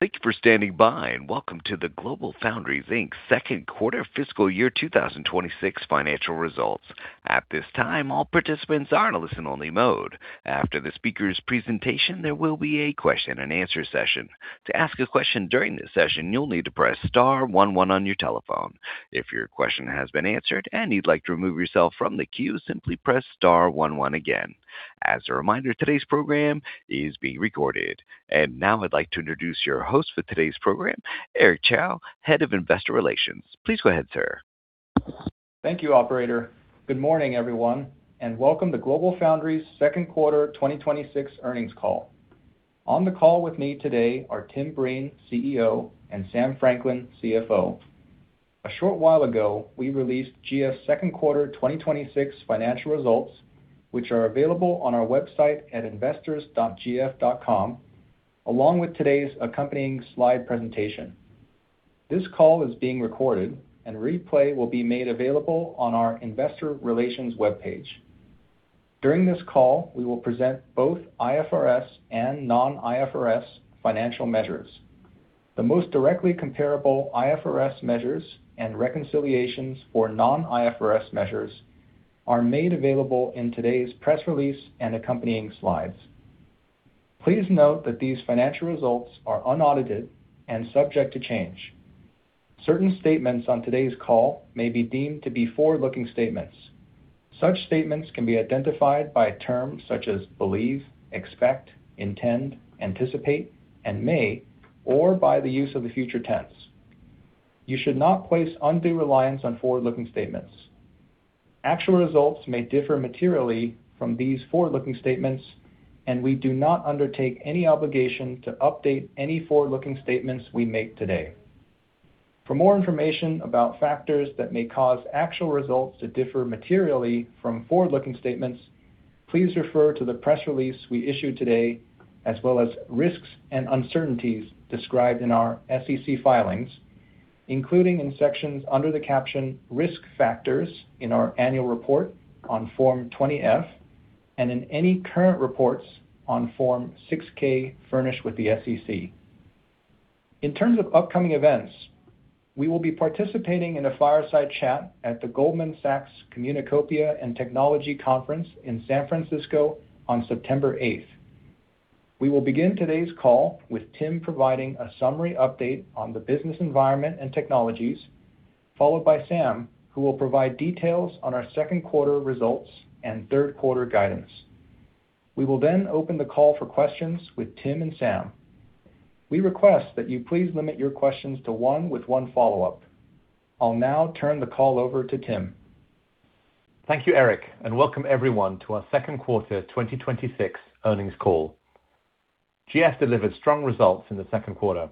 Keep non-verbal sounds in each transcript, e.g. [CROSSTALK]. Thank you for standing by, and welcome to the GlobalFoundries Inc.'s second quarter fiscal year 2026 financial results. At this time, all participants are in a listen-only mode. After the speaker's presentation, there will be a question-and-answer session. To ask a question during this session, you'll need to press star one one on your telephone. If your question has been answered and you'd like to remove yourself from the queue, simply press star one one again. As a reminder, today's program is being recorded. Now I'd like to introduce your host for today's program, Eric Chow, Head of Investor Relations. Please go ahead, sir. Thank you, operator. Good morning, everyone, and welcome to GlobalFoundries second quarter 2026 earnings call. On the call with me today are Tim Breen, CEO, and Sam Franklin, CFO. A short while ago, we released GF's second quarter 2026 financial results, which are available on our website at investors.gf.com, along with today's accompanying slide presentation. This call is being recorded and replay will be made available on our Investor Relations webpage. During this call, we will present both IFRS and non-IFRS financial measures. The most directly comparable IFRS measures and reconciliations for non-IFRS measures are made available in today's press release and accompanying slides. Please note that these financial results are unaudited and subject to change. Certain statements on today's call may be deemed to be forward-looking statements. Such statements can be identified by terms such as believe, expect, intend, anticipate, and may, or by the use of the future tense. You should not place undue reliance on forward-looking statements. Actual results may differ materially from these forward-looking statements. We do not undertake any obligation to update any forward-looking statements we make today. For more information about factors that may cause actual results to differ materially from forward-looking statements, please refer to the press release we issued today, as well as risks and uncertainties described in our SEC filings, including in sections under the caption Risk Factors in our annual report on Form 20-F, and in any current reports on Form 6-K furnished with the SEC. In terms of upcoming events, we will be participating in a fireside chat at the Goldman Sachs Communacopia + Technology Conference in San Francisco on September 8th. We will begin today's call with Tim providing a summary update on the business environment and technologies, followed by Sam, who will provide details on our second quarter results and third quarter guidance. We will open the call for questions with Tim and Sam. We request that you please limit your questions to one with one follow-up. I'll now turn the call over to Tim. Thank you, Eric, and welcome everyone to our second quarter 2026 earnings call. GF delivered strong results in the second quarter,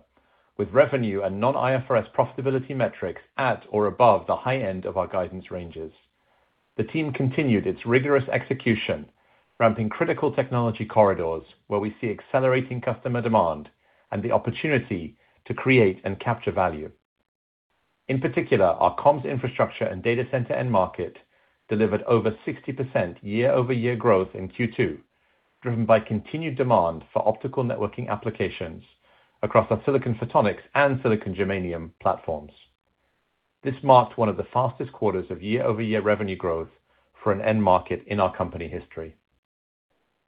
with revenue and non-IFRS profitability metrics at or above the high-end of our guidance ranges. The team continued its rigorous execution, ramping critical technology corridors where we see accelerating customer demand and the opportunity to create and capture value. In particular, our comms infrastructure and data center end market delivered over 60% year-over-year growth in Q2, driven by continued demand for optical networking applications across our silicon photonics and silicon germanium platforms. This marked one of the fastest quarters of year-over-year revenue growth for an end-market in our company history.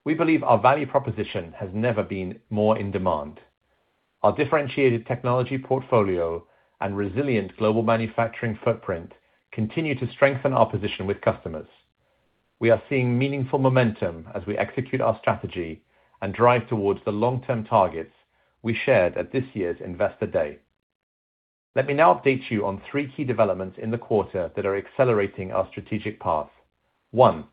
We believe our value proposition has never been more in demand. Our differentiated technology portfolio and resilient global manufacturing footprint continue to strengthen our position with customers. We are seeing meaningful momentum as we execute our strategy and drive towards the long-term targets we shared at this year's Investor Day. Let me now update you on three key developments in the quarter that are accelerating our strategic path. One,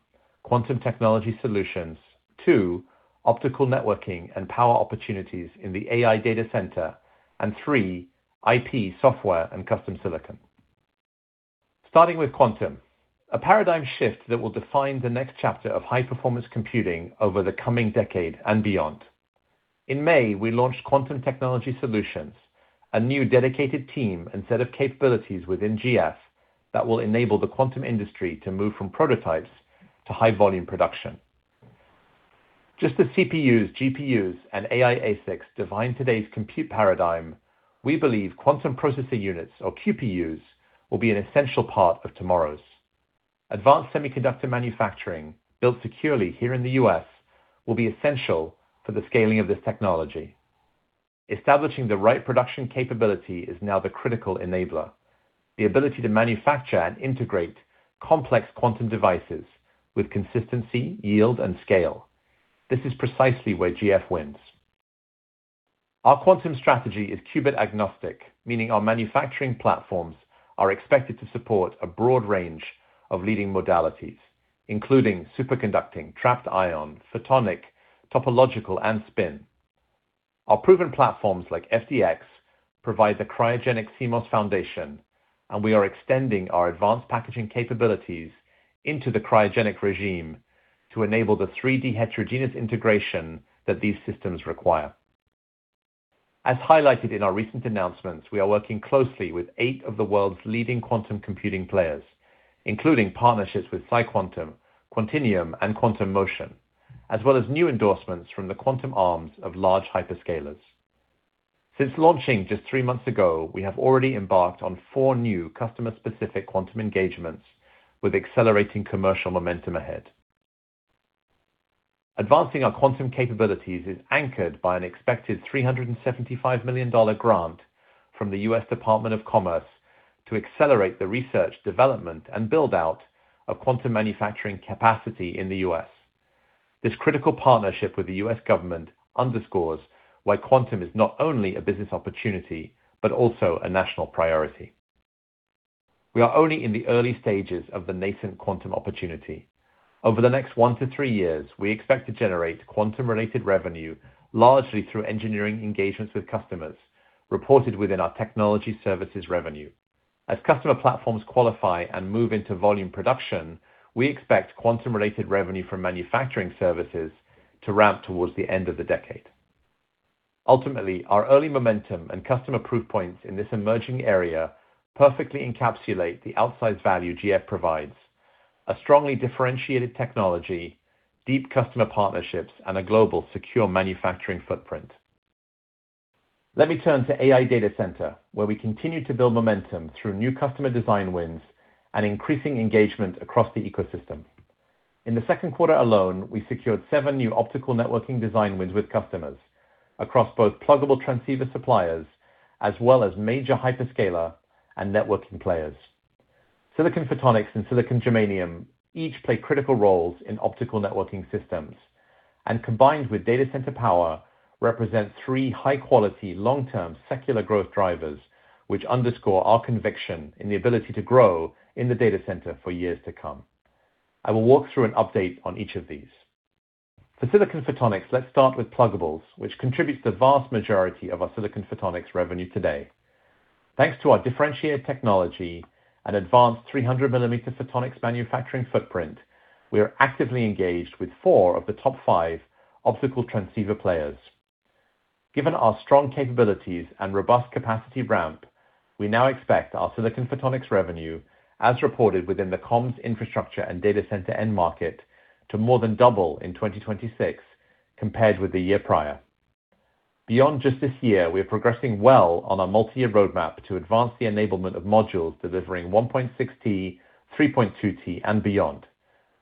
quantum technology solutions. Two, optical networking and power opportunities in the AI data center, and three, IP, software, and custom silicon. Starting with quantum, a paradigm shift that will define the next chapter of high-performance computing over the coming decade and beyond. In May, we launched Quantum Technology Solutions, a new dedicated team and set of capabilities within GF that will enable the quantum industry to move from prototypes to high-volume production. Just as CPUs, GPUs, and AI ASICs define today's compute paradigm, we believe quantum processing units, or QPUs, will be an essential part of tomorrow's. Advanced semiconductor manufacturing, built securely here in the U.S., will be essential for the scaling of this technology. Establishing the right production capability is now the critical enabler. The ability to manufacture and integrate complex quantum devices with consistency, yield, and scale. This is precisely where GF wins. Our quantum strategy is qubit agnostic, meaning our manufacturing platforms are expected to support a broad range of leading modalities, including superconducting, trapped ion, photonic, topological, and spin. Our proven platforms like FDX provide the cryogenic CMOS foundation, and we are extending our advanced packaging capabilities into the cryogenic regime to enable the 3D heterogeneous integration that these systems require. As highlighted in our recent announcements, we are working closely with eight of the world's leading quantum computing players, including partnerships with PsiQuantum, Quantinuum, and Quantum Motion as well as new endorsements from the quantum arms of large hyperscalers. Since launching just three months ago, we have already embarked on four new customer-specific quantum engagements with accelerating commercial momentum ahead. Advancing our quantum capabilities is anchored by an expected $375 million grant from the U.S. Department of Commerce to accelerate the research, development, and build-out of quantum manufacturing capacity in the U.S. This critical partnership with the U.S. government underscores why quantum is not only a business opportunity, but also a national priority. We are only in the early stages of the nascent quantum opportunity. Over the next one to three years, we expect to generate quantum-related revenue largely through engineering engagements with customers, reported within our technology services revenue. As customer platforms qualify and move into volume production, we expect quantum-related revenue from manufacturing services to ramp towards the end of the decade. Ultimately, our early momentum and customer proof points in this emerging area perfectly encapsulate the outsized value GF provides: a strongly differentiated technology, deep customer partnerships, and a global secure manufacturing footprint. Let me turn to AI Data Center, where we continue to build momentum through new customer design wins and increasing engagement across the ecosystem. In the second quarter alone, we secured seven new optical networking design wins with customers across both pluggable transceiver suppliers as well as major hyperscaler and networking players. Silicon photonics and silicon germanium each play critical roles in optical networking systems, and combined with data center power, represent three high-quality, long-term secular growth drivers, which underscore our conviction in the ability to grow in the data center for years to come. I will walk through an update on each of these. For silicon photonics, let's start with pluggables, which contributes the vast majority of our silicon photonics revenue today. Thanks to our differentiated technology and advanced 300 mm photonics manufacturing footprint, we are actively engaged with four of the top five optical transceiver players. Given our strong capabilities and robust capacity ramp, we now expect our silicon photonics revenue, as reported within the comms infrastructure and data center end-market, to more than double in 2026 compared with the year prior. Beyond just this year, we are progressing well on our multi-year roadmap to advance the enablement of modules delivering 1.6 Tb, 3.2 Tb, and beyond.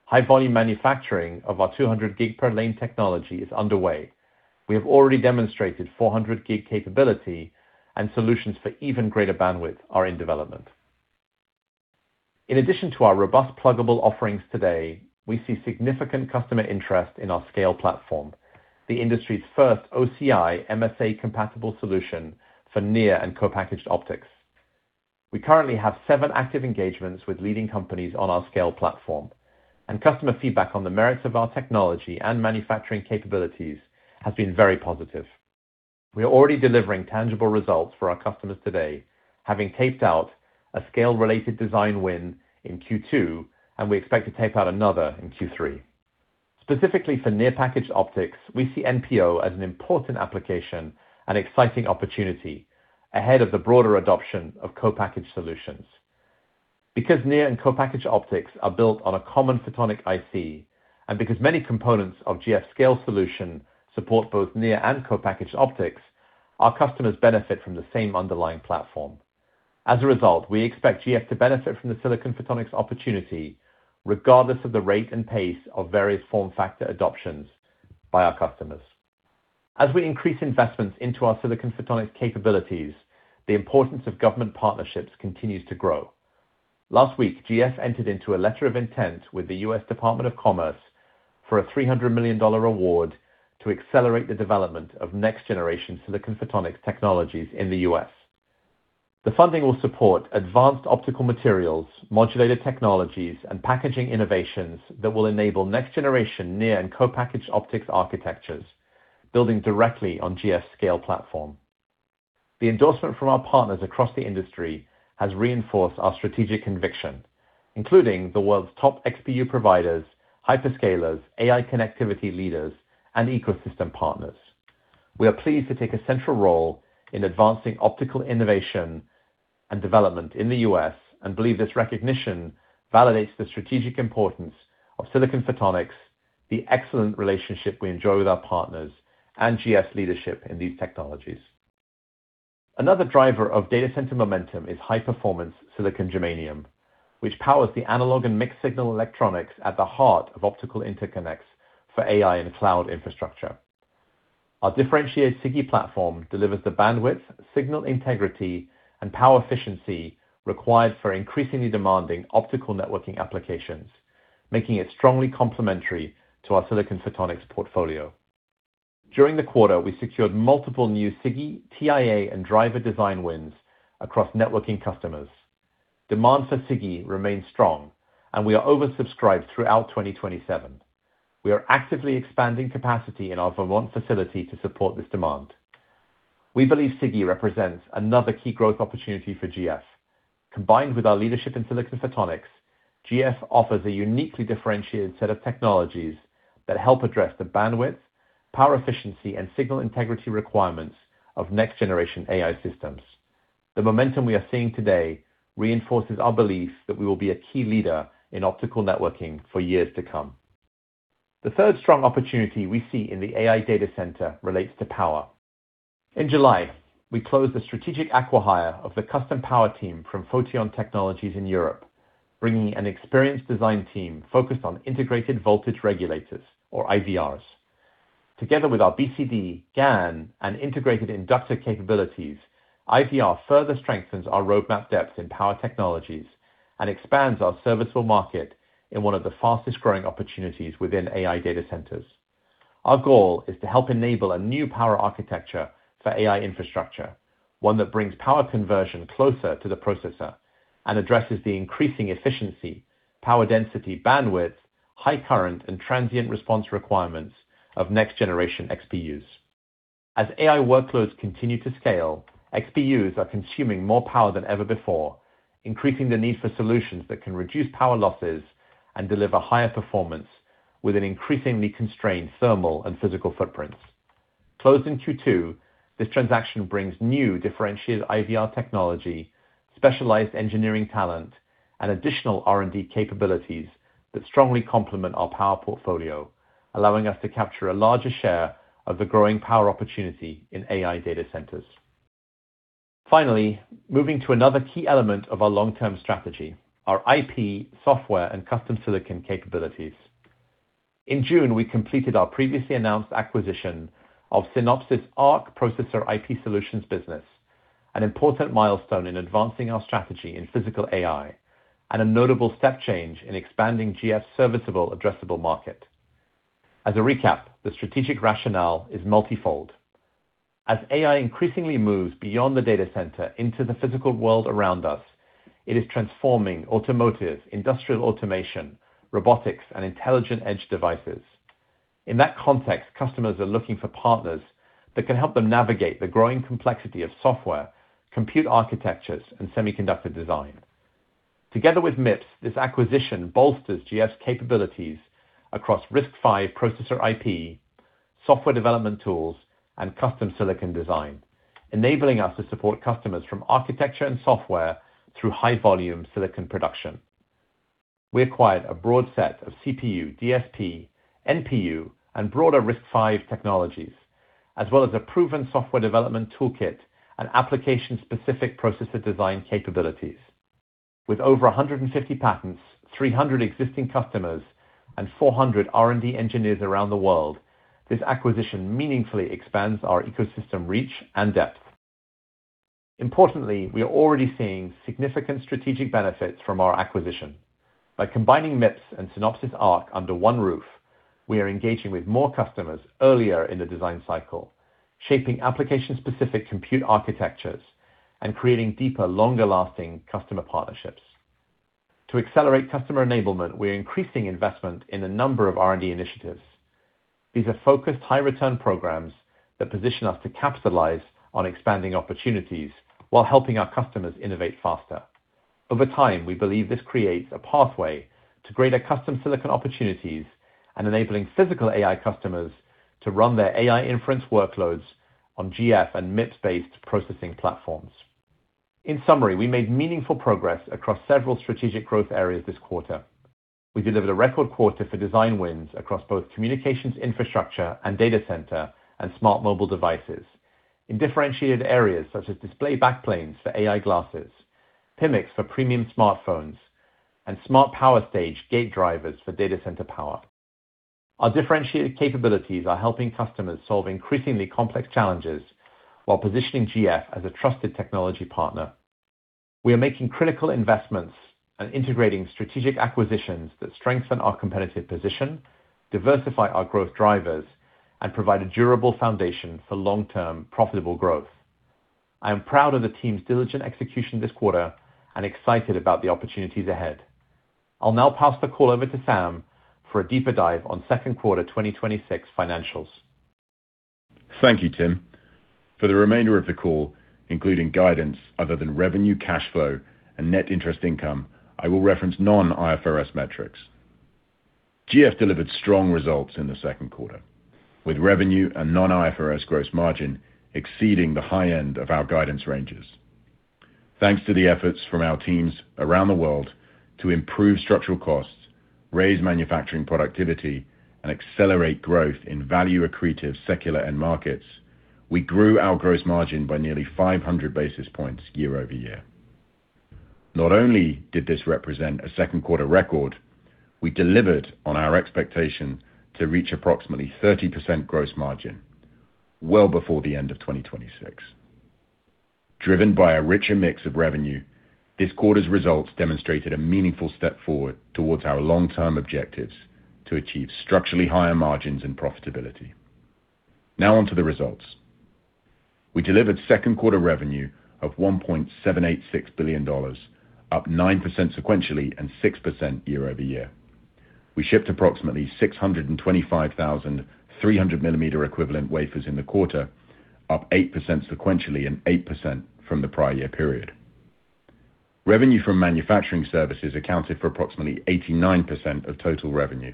High volume manufacturing of our 200 Gb per lane technology is underway. We have already demonstrated 400 Gb capability and solutions for even greater bandwidth are in development. In addition to our robust pluggable offerings today, we see significant customer interest in our SCALE platform, the industry's first OCI MSA-compatible solution for near-packaged and co-packaged optics. We currently have seven active engagements with leading companies on our SCALE platform, and customer feedback on the merits of our technology and manufacturing capabilities has been very positive. We are already delivering tangible results for our customers today, having taped out a SCALE-related design win in Q2, and we expect to tape out another in Q3. Specifically for near-packaged optics, we see NPO as an important application and exciting opportunity ahead of the broader adoption of co-packaged solutions. Because near-packaged and co-packaged optics are built on a common photonic IC, and because many components of GF SCALE solution support both near-packaged and co-packaged optics, our customers benefit from the same underlying platform. As a result, we expect GF to benefit from the silicon photonics opportunity regardless of the rate and pace of various form factor adoptions by our customers. As we increase investments into our silicon photonics capabilities, the importance of government partnerships continues to grow. Last week, GF entered into a letter of intent with the US Department of Commerce for a $300 million award to accelerate the development of next-generation silicon photonics technologies in the U.S.. The funding will support advanced optical materials, modulated technologies, and packaging innovations that will enable next-generation near-packaged and co-packaged optics architectures, building directly on GF's SCALE platform. The endorsement from our partners across the industry has reinforced our strategic conviction, including the world's top XPU providers, hyperscalers, AI connectivity leaders, and ecosystem partners. We are pleased to take a central role in advancing optical innovation and development in the U.S., and believe this recognition validates the strategic importance of silicon photonics, the excellent relationship we enjoy with our partners, and GF's leadership in these technologies. Another driver of data center momentum is high-performance silicon germanium, which powers the analog and mixed-signal electronics at the heart of optical interconnects for AI and cloud infrastructure. Our differentiated SiGe platform delivers the bandwidth, signal integrity, and power efficiency required for increasingly demanding optical networking applications, making it strongly complementary to our silicon photonics portfolio. During the quarter, we secured multiple new SiGe TIA and driver design wins across networking customers. Demand for SiGe remains strong, and we are oversubscribed throughout 2027. We are actively expanding capacity in our Vermont facility to support this demand. We believe SiGe represents another key growth opportunity for GF. Combined with our leadership in silicon photonics, GF offers a uniquely differentiated set of technologies that help address the bandwidth, power efficiency, and signal integrity requirements of next-generation AI systems. The momentum we are seeing today reinforces our belief that we will be a key leader in optical networking for years to come. The third strong opportunity we see in the AI data center relates to power. In July, we closed the strategic acquihire of the custom power team from Photeon Technologies in Europe, bringing an experienced design team focused on integrated voltage regulators, or IVRs. Together with our BCD, GaN, and integrated inductor capabilities, IVR further strengthens our roadmap depth in power technologies and expands our serviceable market in one of the fastest-growing opportunities within AI data centers. Our goal is to help enable a new power architecture for AI infrastructure, one that brings power conversion closer to the processor and addresses the increasing efficiency, power density, bandwidth, high current, and transient response requirements of next-generation XPUs. As AI workloads continue to scale, XPUs are consuming more power than ever before, increasing the need for solutions that can reduce power losses and deliver higher performance with an increasingly constrained thermal and physical footprints. Closed in Q2, this transaction brings new differentiated IVR technology, specialized engineering talent, and additional R&D capabilities that strongly complement our power portfolio, allowing us to capture a larger share of the growing power opportunity in AI data centers. Finally, moving to another key element of our long-term strategy, our IP, software, and custom silicon capabilities. In June, we completed our previously announced acquisition of Synopsys ARC Processor IP Solutions business, an important milestone in advancing our strategy in physical AI and a notable step change in expanding GF's serviceable addressable market. As a recap, the strategic rationale is multifold. As AI increasingly moves beyond the data center into the physical world around us, it is transforming automotive, industrial automation, robotics, and intelligent edge devices. In that context, customers are looking for partners that can help them navigate the growing complexity of software, compute architectures, and semiconductor design. Together with MIPS, this acquisition bolsters GF's capabilities across RISC-V processor IP, software development tools, and custom silicon design, enabling us to support customers from architecture and software through high-volume silicon production. We acquired a broad set of CPU, DSP, NPU, and broader RISC-V technologies, as well as a proven software development toolkit and application-specific processor design capabilities. With over 150 patents, 300 existing customers, and 400 R&D engineers around the world, this acquisition meaningfully expands our ecosystem reach and depth. Importantly, we are already seeing significant strategic benefits from our acquisition. By combining MIPS and Synopsys ARC under one roof, we are engaging with more customers earlier in the design cycle, shaping application-specific compute architectures and creating deeper, longer-lasting customer partnerships. To accelerate customer enablement, we are increasing investment in a number of R&D initiatives. These are focused, high return programs that position us to capitalize on expanding opportunities while helping our customers innovate faster. Over time, we believe this creates a pathway to greater custom silicon opportunities and enabling physical AI customers to run their AI inference workloads on GF- and MIPS-based processing platforms. In summary, we made meaningful progress across several strategic growth areas this quarter. We delivered a record quarter for design wins across both communications infrastructure and data center and smart mobile devices in differentiated areas such as display backplanes for AI glasses, PMICs for premium smartphones, and smart power stage gate drivers for data center power. Our differentiated capabilities are helping customers solve increasingly complex challenges while positioning GF as a trusted technology partner. We are making critical investments and integrating strategic acquisitions that strengthen our competitive position, diversify our growth drivers, and provide a durable foundation for long-term profitable growth. I am proud of the team's diligent execution this quarter and excited about the opportunities ahead. I'll now pass the call over to Sam for a deeper dive on second quarter 2026 financials. Thank you, Tim. For the remainder of the call, including guidance other than revenue, cash flow, and net interest income, I will reference non-IFRS metrics. GF delivered strong results in the second quarter, with revenue and non-IFRS gross margin exceeding the high end of our guidance ranges. Thanks to the efforts from our teams around the world to improve structural costs, raise manufacturing productivity, and accelerate growth in value-accretive secular end-markets, we grew our gross margin by nearly 500 basis points year-over-year. Not only did this represent a second quarter record, we delivered on our expectation to reach approximately 30% gross margin well before the end of 2026. Driven by a richer mix of revenue, this quarter's results demonstrated a meaningful step forward towards our long-term objectives to achieve structurally higher margins and profitability. Now on to the results. We delivered second quarter revenue of $1.786 billion, up 9% sequentially and 6% year-over-year. We shipped approximately 625,000 300 mm equivalent wafers in the quarter, up 8% sequentially and 8% from the prior year period. Revenue from manufacturing services accounted for approximately 89% of total revenue.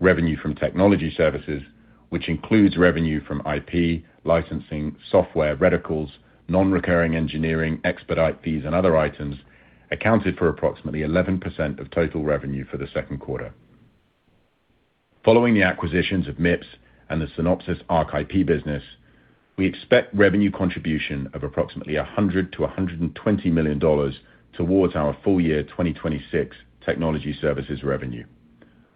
Revenue from technology services, which includes revenue from IP, licensing, software, reticles, non-recurring engineering, expedite fees, and other items, accounted for approximately 11% of total revenue for the second quarter. Following the acquisitions of MIPS and the Synopsys ARC IP business, we expect revenue contribution of approximately $100 million-$120 million towards our full-year 2026 technology services revenue,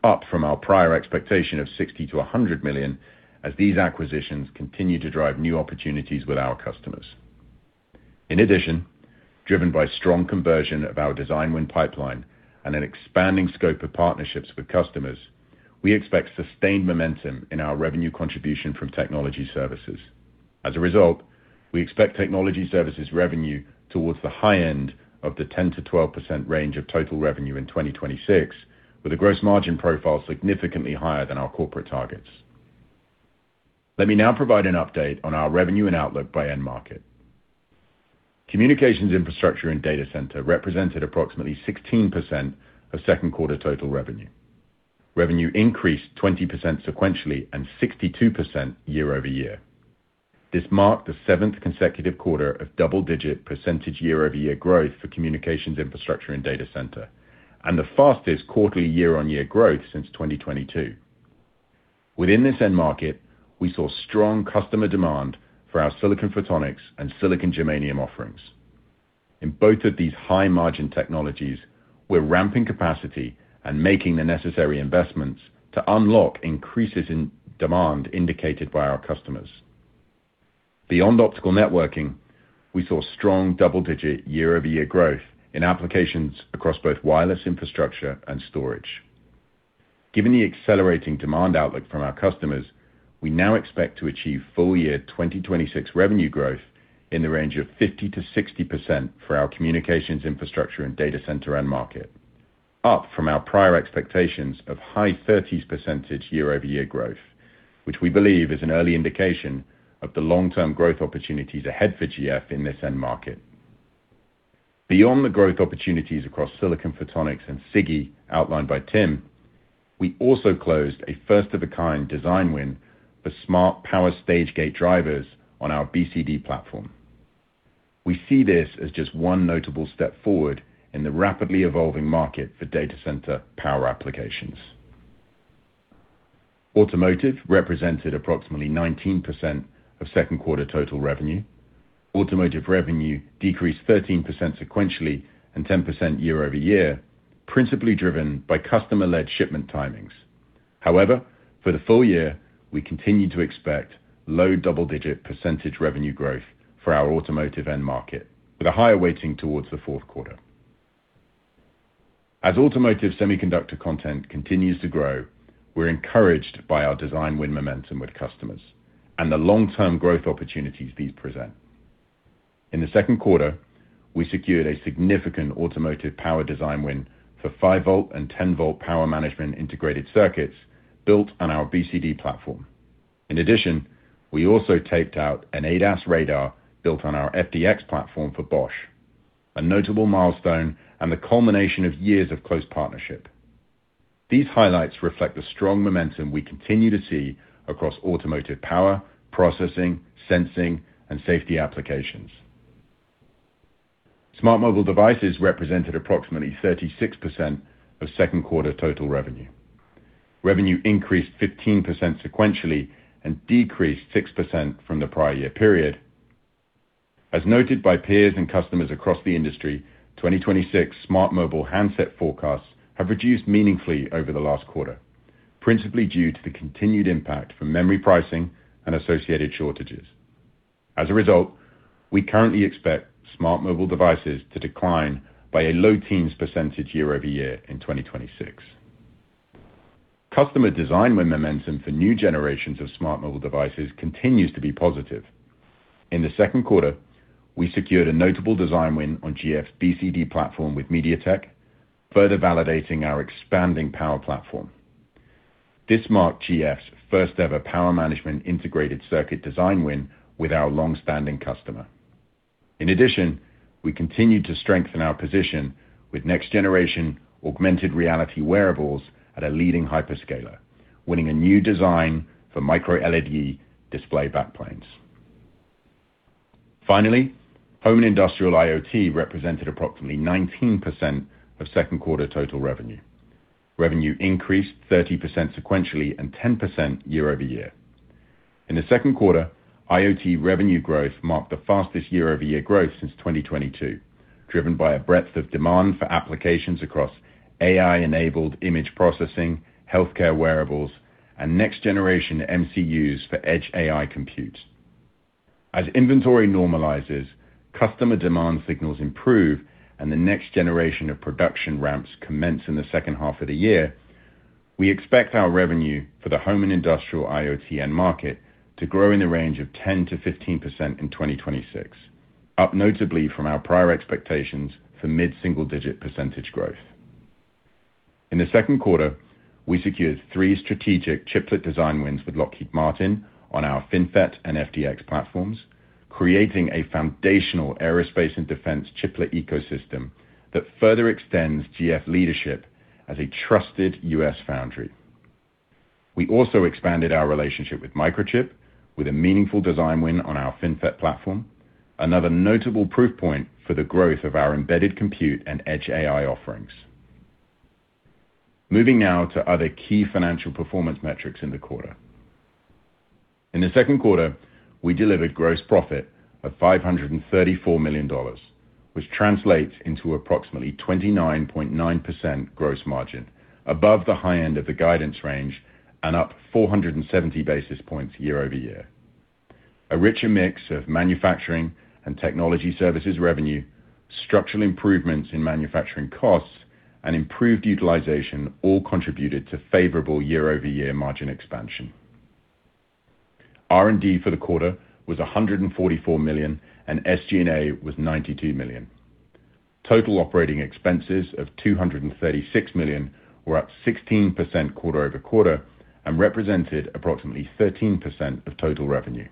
up from our prior expectation of $60 million-$100 million as these acquisitions continue to drive new opportunities with our customers. Driven by strong conversion of our design win pipeline and an expanding scope of partnerships with customers, we expect sustained momentum in our revenue contribution from technology services. As a result, we expect technology services revenue towards the high-end of the 10%-12% range of total revenue in 2026, with a gross margin profile significantly higher than our corporate targets. Let me now provide an update on our revenue and outlook by end-market. Communications infrastructure and data center represented approximately 16% of second quarter total revenue. Revenue increased 20% sequentially and 62% year-over-year. This marked the seventh consecutive quarter of double-digit percentage year-over-year growth for communications infrastructure and data center, and the fastest quarterly year-on-year growth since 2022. Within this end-market, we saw strong customer demand for our silicon photonics and silicon germanium offerings. In both of these high-margin technologies, we're ramping capacity and making the necessary investments to unlock increases in demand indicated by our customers. Beyond optical networking, we saw strong double-digit year-over-year growth in applications across both wireless infrastructure and storage. Given the accelerating demand outlook from our customers, we now expect to achieve full-year 2026 revenue growth in the range of 50%-60% for our communications infrastructure and data center end-market, up from our prior expectations of high 30s percentage year-over-year growth, which we believe is an early indication of the long-term growth opportunities ahead for GF in this end-market. Beyond the growth opportunities across silicon photonics and SiGe outlined by Tim, we also closed a first of a kind design win for smart power stage gate drivers on our BCD platform. We see this as just one notable step forward in the rapidly evolving market for data center power applications. Automotive represented approximately 19% of second quarter total revenue. Automotive revenue decreased 13% sequentially and 10% year-over-year, principally driven by customer-led shipment timings. However, for the full year, we continue to expect low double-digit percentage revenue growth for our automotive end market with a higher weighting towards the fourth quarter. As automotive semiconductor content continues to grow, we're encouraged by our design win momentum with customers and the long-term growth opportunities these present. In the second quarter, we secured a significant automotive power design win for 5 V and 10 V power management integrated circuits built on our BCD platform. We also taped out an ADAS radar built on our FDX platform for Bosch, a notable milestone and the culmination of years of close partnership. These highlights reflect the strong momentum we continue to see across automotive power, processing, sensing, and safety applications. Smart mobile devices represented approximately 36% of second quarter total revenue. Revenue increased 15% sequentially and decreased 6% from the prior year period. As noted by peers and customers across the industry, 2026 smart mobile handset forecasts have reduced meaningfully over the last quarter, principally due to the continued impact from memory pricing and associated shortages. As a result, we currently expect smart mobile devices to decline by a low teens percentage year-over-year in 2026. Customer design win momentum for new generations of smart mobile devices continues to be positive. In the second quarter, we secured a notable design win on GF's BCD platform with MediaTek, further validating our expanding power platform. This marked GF's first ever power management integrated circuit design win with our long-standing customer. We continued to strengthen our position with next-generation augmented reality wearables at a leading hyperscaler, winning a new design for microLED display backplanes. Home and industrial IoT represented approximately 19% of second quarter total revenue. Revenue increased 30% sequentially and 10% year-over-year. In the second quarter, IoT revenue growth marked the fastest year-over-year growth since 2022, driven by a breadth of demand for applications across AI-enabled image processing, healthcare wearables, and next-generation MCUs for edge AI compute. As inventory normalizes, customer demand signals improve, and the next-generation of production ramps commence in the second half of the year, we expect our revenue for the home and industrial IoT end-market to grow in the range of 10%-15% in 2026, up notably from our prior expectations for mid-single-digit percentage growth. In the second quarter, we secured three strategic chiplet design wins with Lockheed Martin on our FinFET and FDX platforms, creating a foundational aerospace and defense chiplet ecosystem that further extends GF leadership as a trusted U.S. foundry. We expanded our relationship with Microchip with a meaningful design win on our FinFET platform, another notable proof point for the growth of our embedded compute and edge AI offerings. Moving now to other key financial performance metrics in the quarter. In the second quarter, we delivered gross profit of $534 million, which translates into approximately 29.9% gross margin, above the high end of the guidance range and up 470 basis points year-over-year. A richer mix of manufacturing and technology services revenue, structural improvements in manufacturing costs, and improved utilization all contributed to favorable year-over-year margin expansion. R&D for the quarter was $144 million, and SG&A was $92 million. Total operating expenses of $236 million were up 16% quarter-over-quarter and represented approximately 13% of total revenue.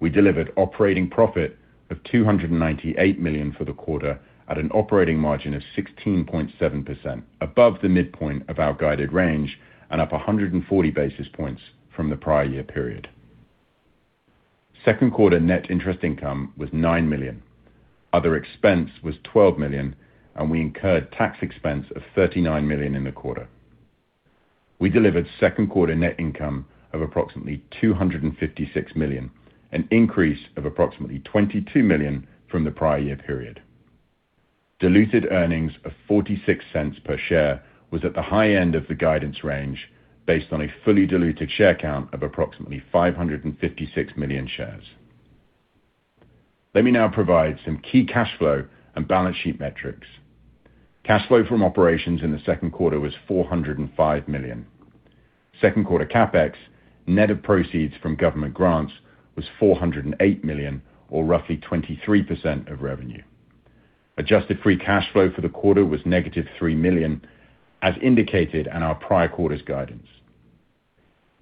We delivered operating profit of $298 million for the quarter at an operating margin of 16.7%, above the midpoint of our guided range and up 140 basis points from the prior year period. Second quarter net interest income was $9 million. Other expense was $12 million, and we incurred tax expense of $39 million in the quarter. We delivered second quarter net income of approximately $256 million, an increase of approximately $22 million from the prior year period. Diluted earnings of $0.46 per share was at the high-end of the guidance range based on a fully diluted share count of approximately 556 million shares. Let me now provide some key cash flow and balance sheet metrics. Cash flow from operations in the second quarter was $405 million. Second quarter CapEx, net of proceeds from government grants, was $408 million, or roughly 23% of revenue. Adjusted free cash flow for the quarter was -$3 million, as indicated in our prior quarter's guidance.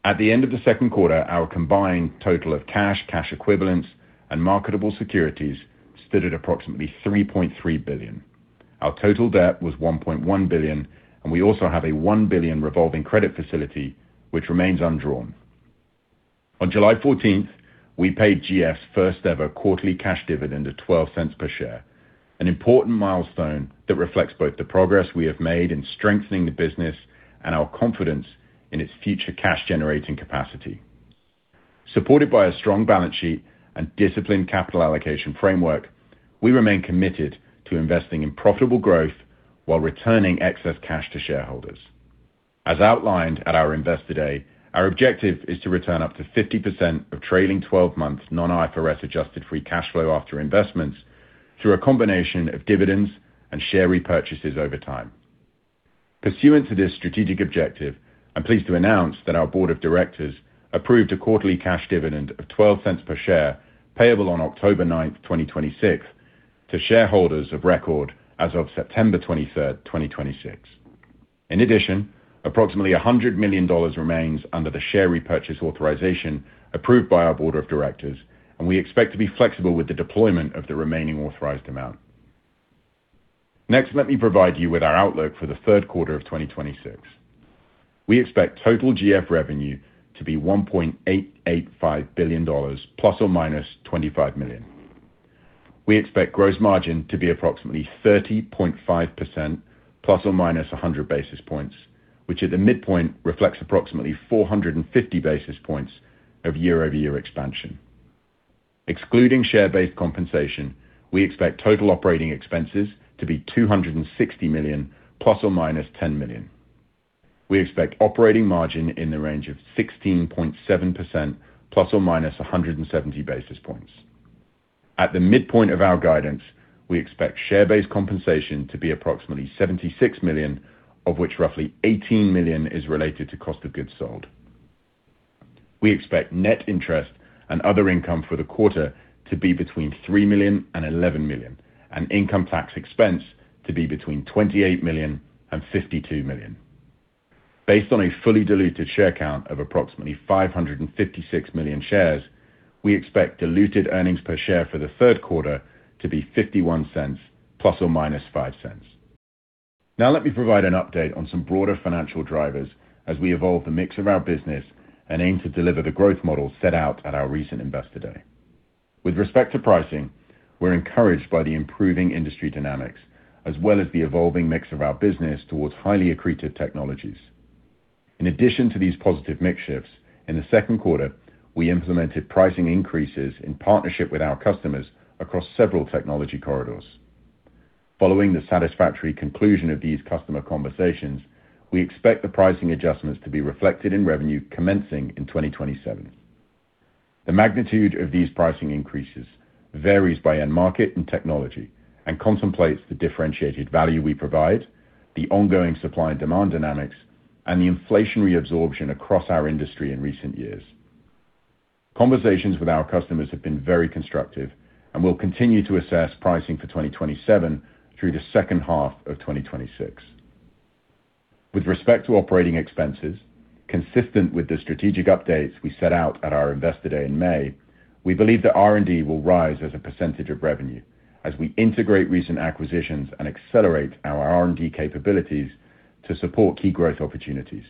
At the end of the second quarter, our combined total of cash equivalents, and marketable securities stood at approximately $3.3 billion. Our total debt was $1.1 billion, and we also have a $1 billion revolving credit facility, which remains undrawn. On July 14th, we paid GF's first-ever quarterly cash dividend of $0.12 per share, an important milestone that reflects both the progress we have made in strengthening the business and our confidence in its future cash-generating capacity. Supported by a strong balance sheet and disciplined capital allocation framework, we remain committed to investing in profitable growth while returning excess cash to shareholders. As outlined at our Investor Day, our objective is to return up to 50% of trailing 12 months non-IFRS adjusted free cash flow after investments through a combination of dividends and share repurchases over time. Pursuant to this strategic objective, I'm pleased to announce that our Board of Directors approved a quarterly cash dividend of $0.12 per share, payable on October 9th, 2026, to shareholders of record as of September 23rd, 2026. In addition, approximately $100 million remains under the share repurchase authorization approved by our board of directors, and we expect to be flexible with the deployment of the remaining authorized amount. Next, let me provide you with our outlook for the third quarter of 2026. We expect total GF revenue to be $1.885 billion, ±$25 million. We expect gross margin to be approximately 30.5%, ±100 basis points, which at the midpoint reflects approximately 450 basis points of year-over-year expansion. Excluding share-based compensation, we expect total operating expenses to be $260 million, ±$10 million. We expect operating margin in the range of 16.7%, ±170 basis points. At the midpoint of our guidance, we expect share-based compensation to be approximately $76 million, of which roughly $18 million is related to cost of goods sold. We expect net interest and other income for the quarter to be between $3 million and $11 million, and income tax expense to be between $28 million and $52 million. Based on a fully diluted share count of approximately 556 million shares, we expect diluted earnings per share for the third quarter to be $0.51, ±$0.05. Let me provide an update on some broader financial drivers as we evolve the mix of our business and aim to deliver the growth model set out at our recent Investor Day. With respect to pricing, we're encouraged by the improving industry dynamics as well as the evolving mix of our business towards highly accretive technologies. In addition to these positive mix shifts, in the second quarter, we implemented pricing increases in partnership with our customers across several technology corridors. Following the satisfactory conclusion of these customer conversations, we expect the pricing adjustments to be reflected in revenue commencing in 2027. The magnitude of these pricing increases varies by end market and technology and contemplates the differentiated value we provide, the ongoing supply and demand dynamics, and the inflationary absorption across our industry in recent years. Conversations with our customers have been very constructive. We'll continue to assess pricing for 2027 through the second half of 2026. With respect to operating expenses, consistent with the strategic updates we set out at our Investor Day in May, we believe that R&D will rise as a percentage of revenue as we integrate recent acquisitions and accelerate our R&D capabilities to support key growth opportunities.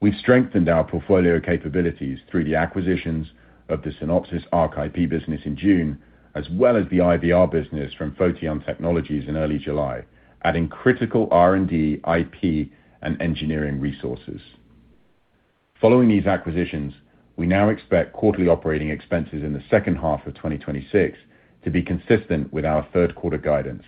We've strengthened our portfolio capabilities through the acquisitions of the Synopsys ARC IP business in June, as well as the IVR business from Photeon Technologies in early July, adding critical R&D, IP, and engineering resources. Following these acquisitions, we now expect quarterly operating expenses in the second half of 2026 to be consistent with our third quarter guidance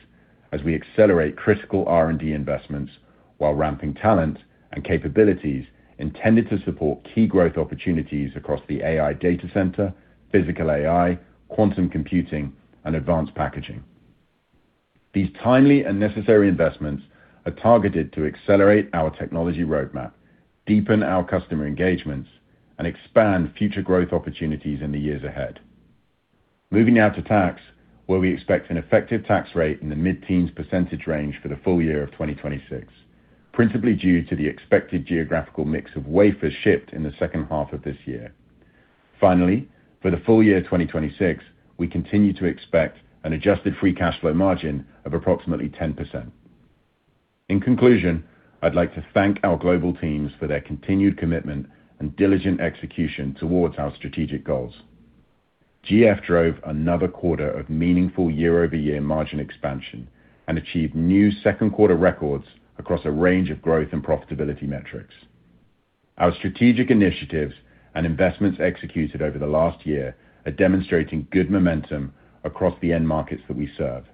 as we accelerate critical R&D investments while ramping talent and capabilities intended to support key growth opportunities across the AI data center, physical AI, quantum computing, and advanced packaging. These timely and necessary investments are targeted to accelerate our technology roadmap, deepen our customer engagements, and expand future growth opportunities in the years ahead. Moving now to tax, where we expect an effective tax rate in the mid-teens percentage range for the full-year of 2026, principally due to the expected geographical mix of wafers shipped in the second half of this year. Finally, for the full-year 2026, we continue to expect an adjusted free cash flow margin of approximately 10%. In conclusion, I'd like to thank our global teams for their continued commitment and diligent execution towards our strategic goals. GF drove another quarter of meaningful year-over-year margin expansion and achieved new second quarter records across a range of growth and profitability metrics. Our strategic initiatives and investments executed over the last year are demonstrating good momentum across the end-markets that we serve.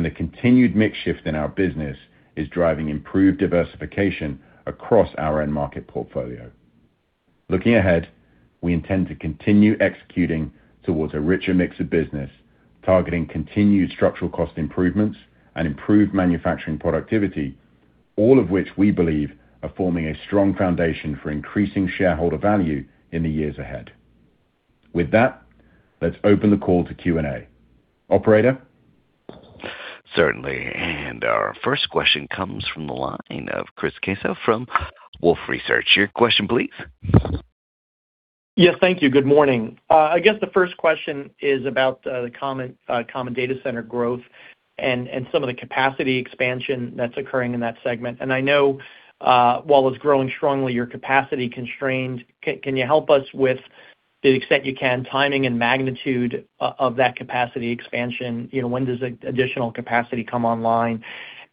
The continued mix shift in our business is driving improved diversification across our end-market portfolio. Looking ahead, we intend to continue executing towards a richer mix of business, targeting continued structural cost improvements and improved manufacturing productivity, all of which we believe are forming a strong foundation for increasing shareholder value in the years ahead. With that, let's open the call to Q&A. Operator? Certainly. Our first question comes from the line of Chris Caso from Wolfe Research. Your question please. Yes, thank you. Good morning. I guess the first question is about the common data center growth and some of the capacity expansion that's occurring in that segment. I know, while it's growing strongly, you're capacity constrained. Can you help us with, the extent you can, timing and magnitude of that capacity expansion? When does additional capacity come online?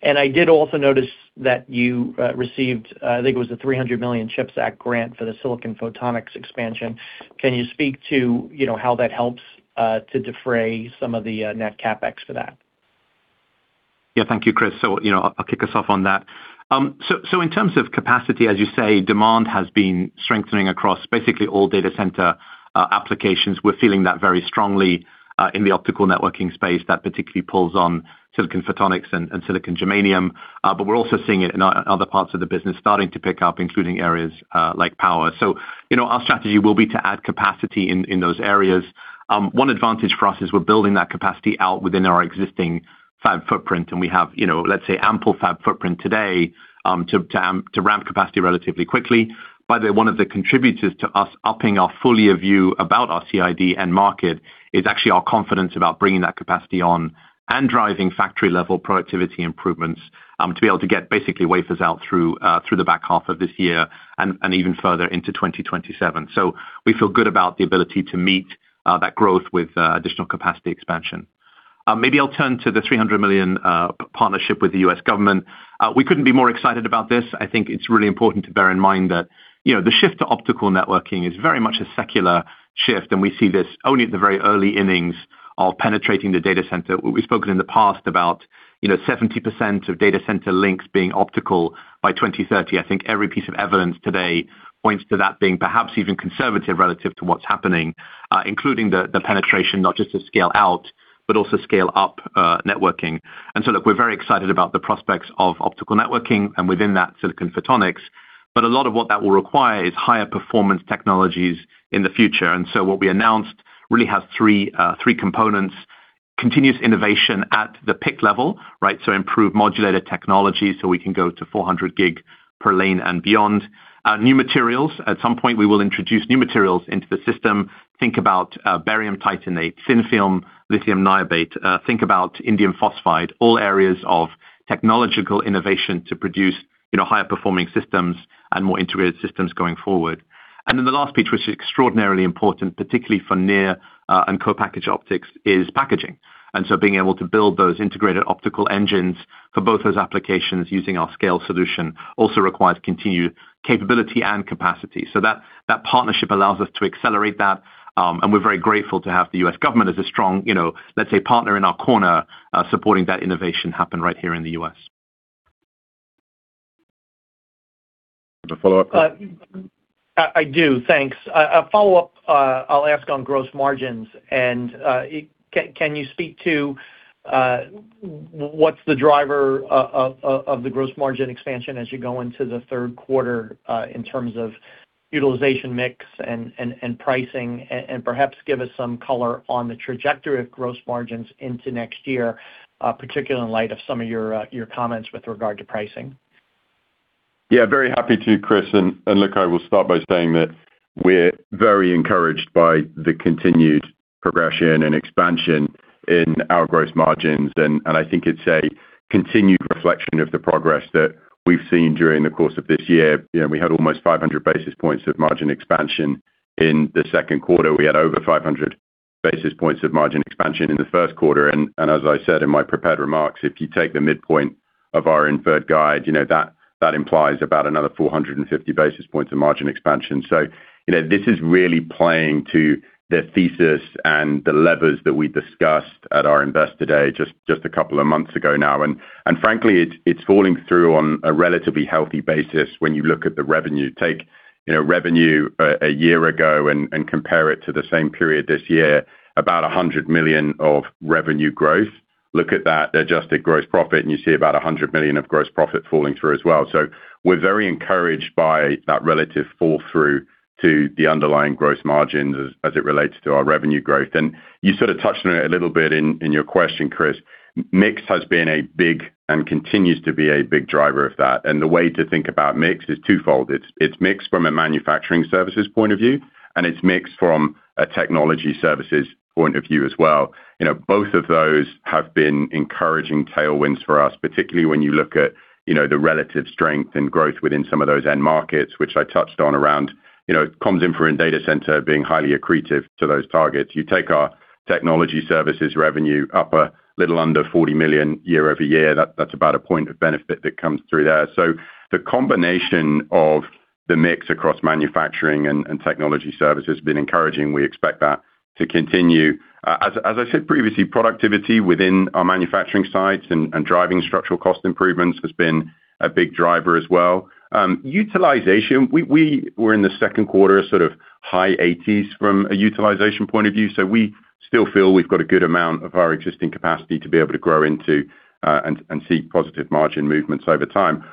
I did also notice that you received, I think it was the $300 million CHIPS Act grant for the silicon photonics expansion. Can you speak to how that helps to defray some of the net CapEx for that? Yeah. Thank you, Chris. I'll kick us off on that. In terms of capacity, as you say, demand has been strengthening across basically all data center applications. We're feeling that very strongly in the optical networking space that particularly pulls on silicon photonics and silicon germanium. We're also seeing it in other parts of the business starting to pick up, including areas like power. Our strategy will be to add capacity in those areas. One advantage for us is we're building that capacity out within our existing fab footprint, and we have, let's say, ample fab footprint today, to ramp capacity relatively quickly. By the way, one of the contributors to us upping our full year view about our CID end-market is actually our confidence about bringing that capacity on and driving factory level productivity improvements, to be able to get basically wafers out through the back half of this year and even further into 2027. We feel good about the ability to meet that growth with additional capacity expansion. Maybe I'll turn to the $300 million partnership with the US government. We couldn't be more excited about this. I think it's really important to bear in mind that the shift to optical networking is very much a secular shift, and we see this only at the very early innings of penetrating the data center. We've spoken in the past about 70% of data center links being optical by 2030. I think every piece of evidence today points to that being perhaps even conservative relative to what's happening, including the penetration, not just to scale out, but also scale up networking. Look, we're very excited about the prospects of optical networking, and within that, silicon photonics. A lot of what that will require is higher performance technologies in the future. What we announced really has three components. Continuous innovation at the PIC level, right? Improved modulator technology, so we can go to 400 Gb per lane and beyond. New materials. At some point, we will introduce new materials into the system. Think about barium titanate, thin film, lithium niobate, think about indium phosphide, all areas of technological innovation to produce higher performing systems and more integrated systems going forward. The last piece, which is extraordinarily important, particularly for near and co-package optics, is packaging. Being able to build those integrated optical engines for both those applications using our SCALE solution also requires continued capability and capacity. That partnership allows us to accelerate that, and we are very grateful to have the US government as a strong partner in our corner, supporting that innovation happen right here in the U.S.. A follow-up? I do. Thanks. A follow-up I will ask on gross margins. Can you speak to what's the driver of the gross margin expansion as you go into the third quarter in terms of utilization mix and pricing, and perhaps give us some color on the trajectory of gross margins into next year, particularly in light of some of your comments with regard to pricing. Very happy to, Chris. Look, I will start by saying that we are very encouraged by the continued progression and expansion in our gross margins. I think it's a continued reflection of the progress that we have seen during the course of this year. We had almost 500 basis points of margin expansion in the second quarter. We had over 500 basis points of margin expansion in the first quarter. As I said in my prepared remarks, if you take the midpoint of our inferred guide, that implies about another 450 basis points of margin expansion. This is really playing to the thesis and the levers that we discussed at our Investor Day just a couple of months ago now. Frankly, it's falling through on a relatively healthy basis when you look at the revenue. Take revenue a year ago and compare it to the same period this year, about $100 million of revenue growth. Look at that adjusted gross profit and you see about $100 million of gross profit falling through as well. We're very encouraged by that relative fall-through to the underlying gross margins as it relates to our revenue growth. You sort of touched on it a little bit in your question, Chris. Mix has been a big and continues to be a big driver of that. The way to think about mix is twofold. It's mix from a manufacturing services point of view, and it's mix from a technology services point of view as well. Both of those have been encouraging tailwinds for us, particularly when you look at the relative strength and growth within some of those end markets, which I touched on around comms, infra, and data center being highly accretive to those targets. You take our technology services revenue up a little under $40 million year-over-year, that's about a point of benefit that comes through there. The combination of the mix across manufacturing and technology services has been encouraging. We expect that to continue. As I said previously, productivity within our manufacturing sites and driving structural cost improvements has been a big driver as well. Utilization, we were in the second quarter, sort of high 80s from a utilization point of view. We still feel we've got a good amount of our existing capacity to be able to grow into and see positive margin movements over time.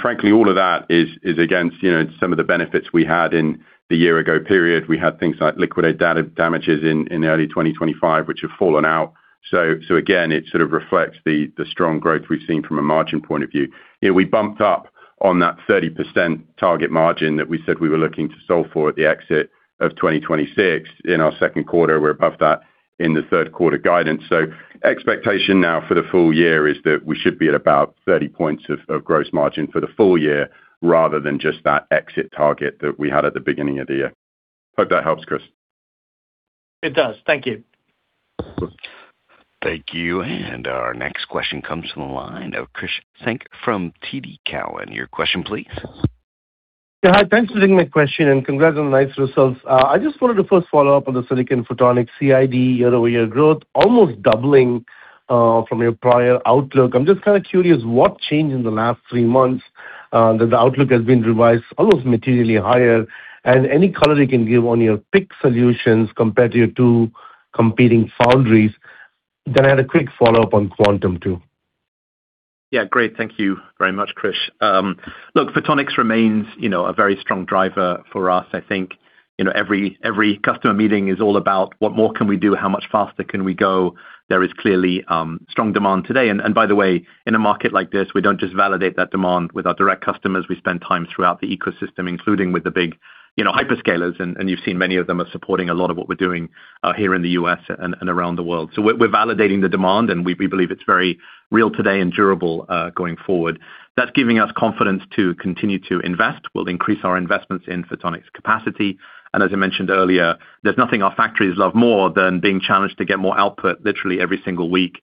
Frankly, all of that is against some of the benefits we had in the year ago period. We had things like liquidated damages in early 2025, which have fallen out. Again, it sort of reflects the strong growth we've seen from a margin point of view. We bumped up on that 30% target margin that we said we were looking to solve for at the exit of 2026 in our second quarter. We're above that in the third quarter guidance. Expectation now for the full-year is that we should be at about 30 points of gross margin for the full-year rather than just that exit target that we had at the beginning of the year. Hope that helps, Chris. It does. Thank you. Thank you. Our next question comes from the line of Krish Sankar from TD Cowen. Your question, please. Yeah. Hi, thanks for taking my question, congrats on the nice results. I just wanted to first follow up on the silicon photonics CID year-over-year growth almost doubling from your prior outlook. I'm just kind of curious what changed in the last three months that the outlook has been revised almost materially higher? Any color you can give on your PIC solutions compared to your two competing foundries? I had a quick follow-up on Quantum too. Yeah, great. Thank you very much, Krish. Look, Photonics remains a very strong driver for us. I think every customer meeting is all about what more can we do, how much faster can we go. There is clearly strong demand today. By the way, in a market like this, we don't just validate that demand with our direct customers. We spend time throughout the ecosystem, including with the big hyperscalers. You've seen many of them are supporting a lot of what we're doing here in the U.S. and around the world. We're validating the demand, and we believe it's very real today and durable going forward. That's giving us confidence to continue to invest. We'll increase our investments in Photonics capacity. As I mentioned earlier, there's nothing our factories love more than being challenged to get more output literally every single week.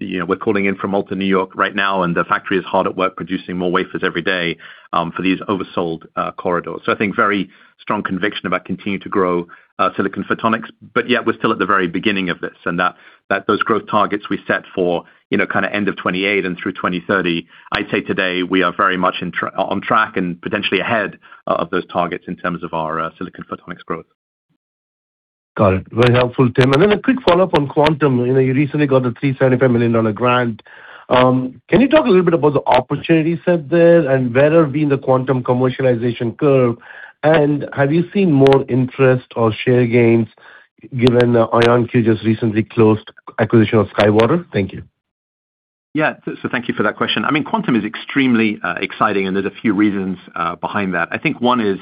We're calling in from Malta, New York right now, the factory is hard at work producing more wafers every day for these oversold corridors. I think very strong conviction about continuing to grow silicon photonics, yet we're still at the very beginning of this and that those growth targets we set for end of 2028 and through 2030, I'd say today we are very much on track and potentially ahead of those targets in terms of our silicon photonics growth. Got it. Very helpful, Tim. A quick follow-up on quantum. You recently got a $375 million grant. Can you talk a little bit about the opportunity set there and where are we in the quantum commercialization curve? Have you seen more interest or share gains given IonQ just recently closed acquisition of SkyWater? Thank you. Thank you for that question. I mean, quantum is extremely exciting and there's a few reasons behind that. I think one is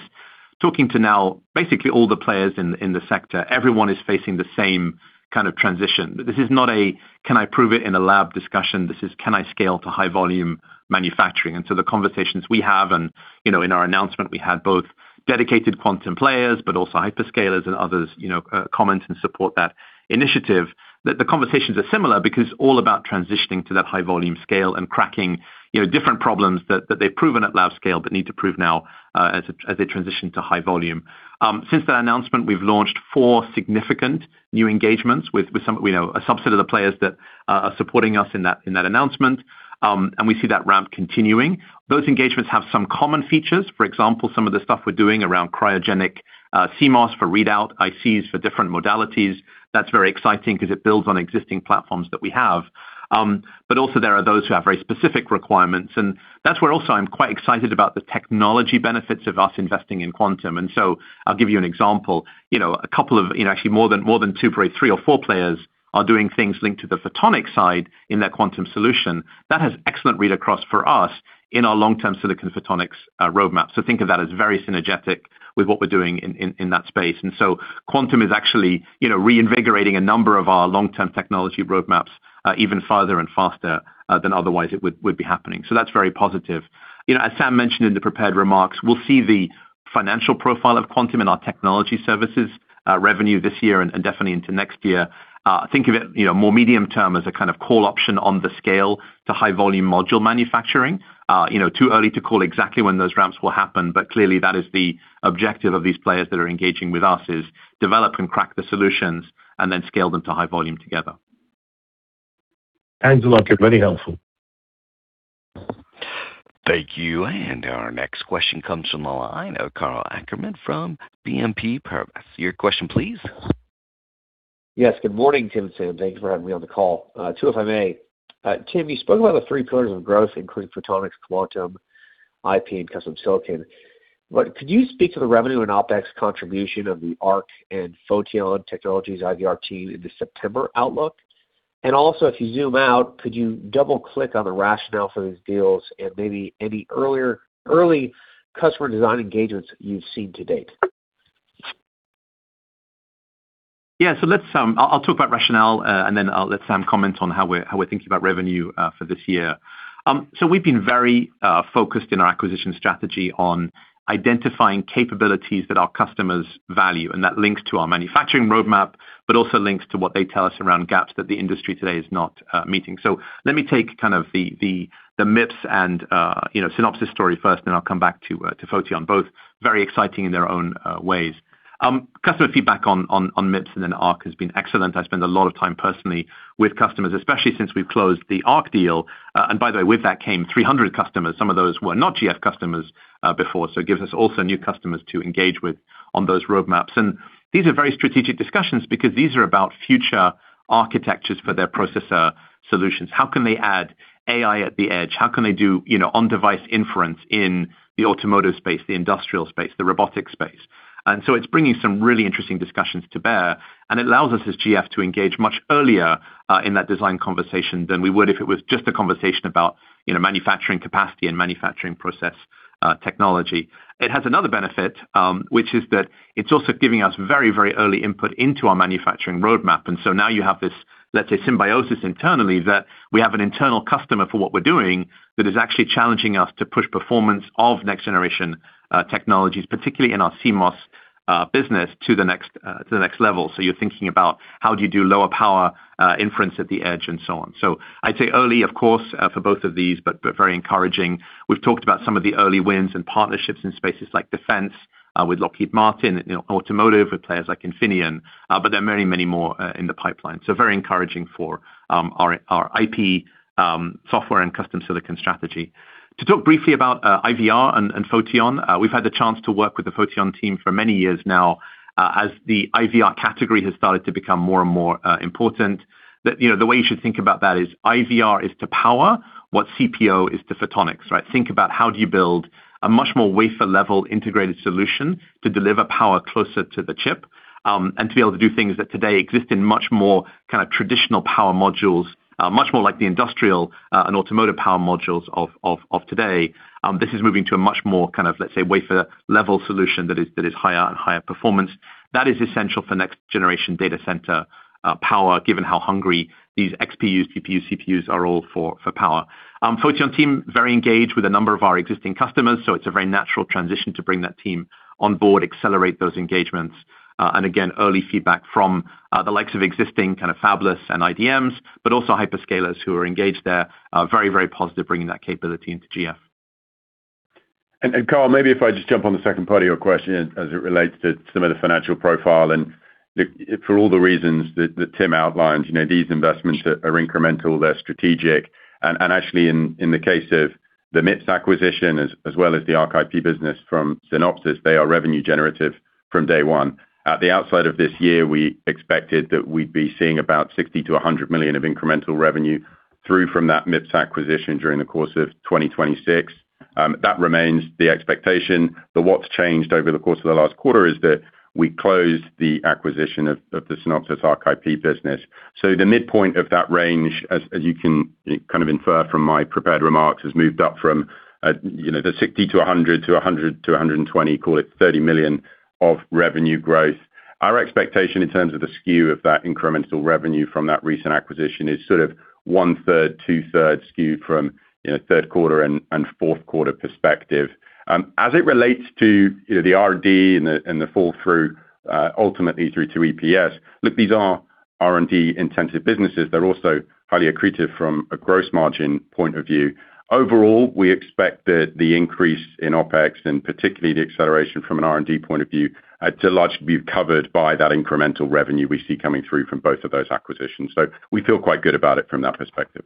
talking to now basically all the players in the sector. Everyone is facing the same kind of transition. This is not a can I prove it in a lab discussion, this is can I scale to high volume manufacturing? The conversations we have and in our announcement we had both Dedicated quantum players, also hyperscalers and others comment and support that initiative. That the conversations are similar because all about transitioning to that high volume scale and cracking different problems that they've proven at lab scale but need to prove now as they transition to high volume. Since that announcement, we've launched four significant new engagements with a subset of the players that are supporting us in that announcement, and we see that ramp continuing. Those engagements have some common features. For example, some of the stuff we're doing around cryogenic CMOS for readout, ICs for different modalities. That's very exciting because it builds on existing platforms that we have. Also there are those who have very specific requirements, and that's where also I'm quite excited about the technology benefits of us investing in quantum. I'll give you an example. A couple of, actually more than two, probably three or four players are doing things linked to the photonic side in their quantum solution. That has excellent read-across for us in our long-term silicon photonics roadmap. Think of that as very synergetic with what we're doing in that space. Quantum is actually reinvigorating a number of our long-term technology roadmaps even farther and faster than otherwise it would be happening. That's very positive. As Sam mentioned in the prepared remarks, we'll see the financial profile of quantum in our technology services revenue this year and definitely into next year. Think of it more medium-term as a kind of call option on the scale to high-volume module manufacturing. Too early to call exactly when those ramps will happen, but clearly that is the objective of these players that are engaging with us, is develop and crack the solutions and then scale them to high volume together. [INAUDIBLE] very helpful. Thank you. Our next question comes from the line of Karl Ackerman from BNP Paribas. Your question, please. Yes, good morning, Tim and Sam. Thank you for having me on the call. Two, if I may. Tim, you spoke about the three pillars of growth, including photonics, quantum, IP, and custom silicon. Could you speak to the revenue and OpEx contribution of the ARC and Photeon Technologies IVR team in the September outlook? Also, if you zoom out, could you double-click on the rationale for these deals and maybe any early customer design engagements you've seen to date? Yeah. I will talk about rationale, and then I will let Sam comment on how we are thinking about revenue for this year. We have been very focused in our acquisition strategy on identifying capabilities that our customers value and that links to our manufacturing roadmap, but also links to what they tell us around gaps that the industry today is not meeting. Let me take kind of the MIPS and Synopsys story first, then I will come back to Photeon, both very exciting in their own ways. Customer feedback on MIPS and then ARC has been excellent. I spend a lot of time personally with customers, especially since we have closed the ARC deal. By the way, with that came 300 customers. Some of those were not GF customers before, it gives us also new customers to engage with on those roadmaps. These are very strategic discussions because these are about future architectures for their processor solutions. How can they add AI at the edge? How can they do on-device inference in the automotive space, the industrial space, the robotic space? It is bringing some really interesting discussions to bear, and it allows us as GF to engage much earlier in that design conversation than we would if it was just a conversation about manufacturing capacity and manufacturing process technology. It has another benefit, which is that it is also giving us very early input into our manufacturing roadmap, now you have this, let us say, symbiosis internally that we have an internal customer for what we are doing that is actually challenging us to push performance of next generation technologies, particularly in our CMOS business, to the next level. You are thinking about how do you do lower power inference at the edge and so on. I would say early, of course, for both of these, but very encouraging. We have talked about some of the early wins and partnerships in spaces like defense with Lockheed Martin, automotive with players like Infineon, there are many more in the pipeline. Very encouraging for our IP software and custom silicon strategy. To talk briefly about IVR and Photeon, we have had the chance to work with the Photeon team for many years now as the IVR category has started to become more and more important. The way you should think about that is IVR is to power what CPO is to photonics, right? Think about how do you build a much more wafer-level integrated solution to deliver power closer to the chip, to be able to do things that today exist in much more kind of traditional power modules, much more like the industrial and automotive power modules of today. This is moving to a much more kind of, let us say, wafer-level solution that is higher and higher performance. That is essential for next-generation data center power, given how hungry these XPUs, TPUs, CPUs are all for power. Photeon team, very engaged with a number of our existing customers, it is a very natural transition to bring that team on board, accelerate those engagements. Again, early feedback from the likes of existing kind of fabless and IDMs, also hyperscalers who are engaged there, very positive bringing that capability into GF. Karl, maybe if I just jump on the second part of your question as it relates to some of the financial profile and for all the reasons that Tim outlined, these investments are incremental, they're strategic, and actually in the case of the MIPS acquisition as well as the ARC IP business from Synopsys, they are revenue generative from day one. At the outset of this year, we expected that we'd be seeing about $60 million-$100 million of incremental revenue through from that MIPS acquisition during the course of 2026. That remains the expectation, but what's changed over the course of the last quarter is that we closed the acquisition of the Synopsys ARC IP business. The midpoint of that range, as you can kind of infer from my prepared remarks, has moved up from the $60 million-$100 million to $100 million-$120 million, call it $30 million of revenue growth. Our expectation in terms of the skew of that incremental revenue from that recent acquisition is 1/3, 2/3 skewed from third quarter and fourth quarter perspective. As it relates to the R&D and the fall-through, ultimately through to EPS. Look, these are R&D intensive businesses. They're also highly accretive from a gross margin point of view. Overall, we expect that the increase in OpEx and particularly the acceleration from an R&D point of view, to largely be covered by that incremental revenue we see coming through from both of those acquisitions. We feel quite good about it from that perspective.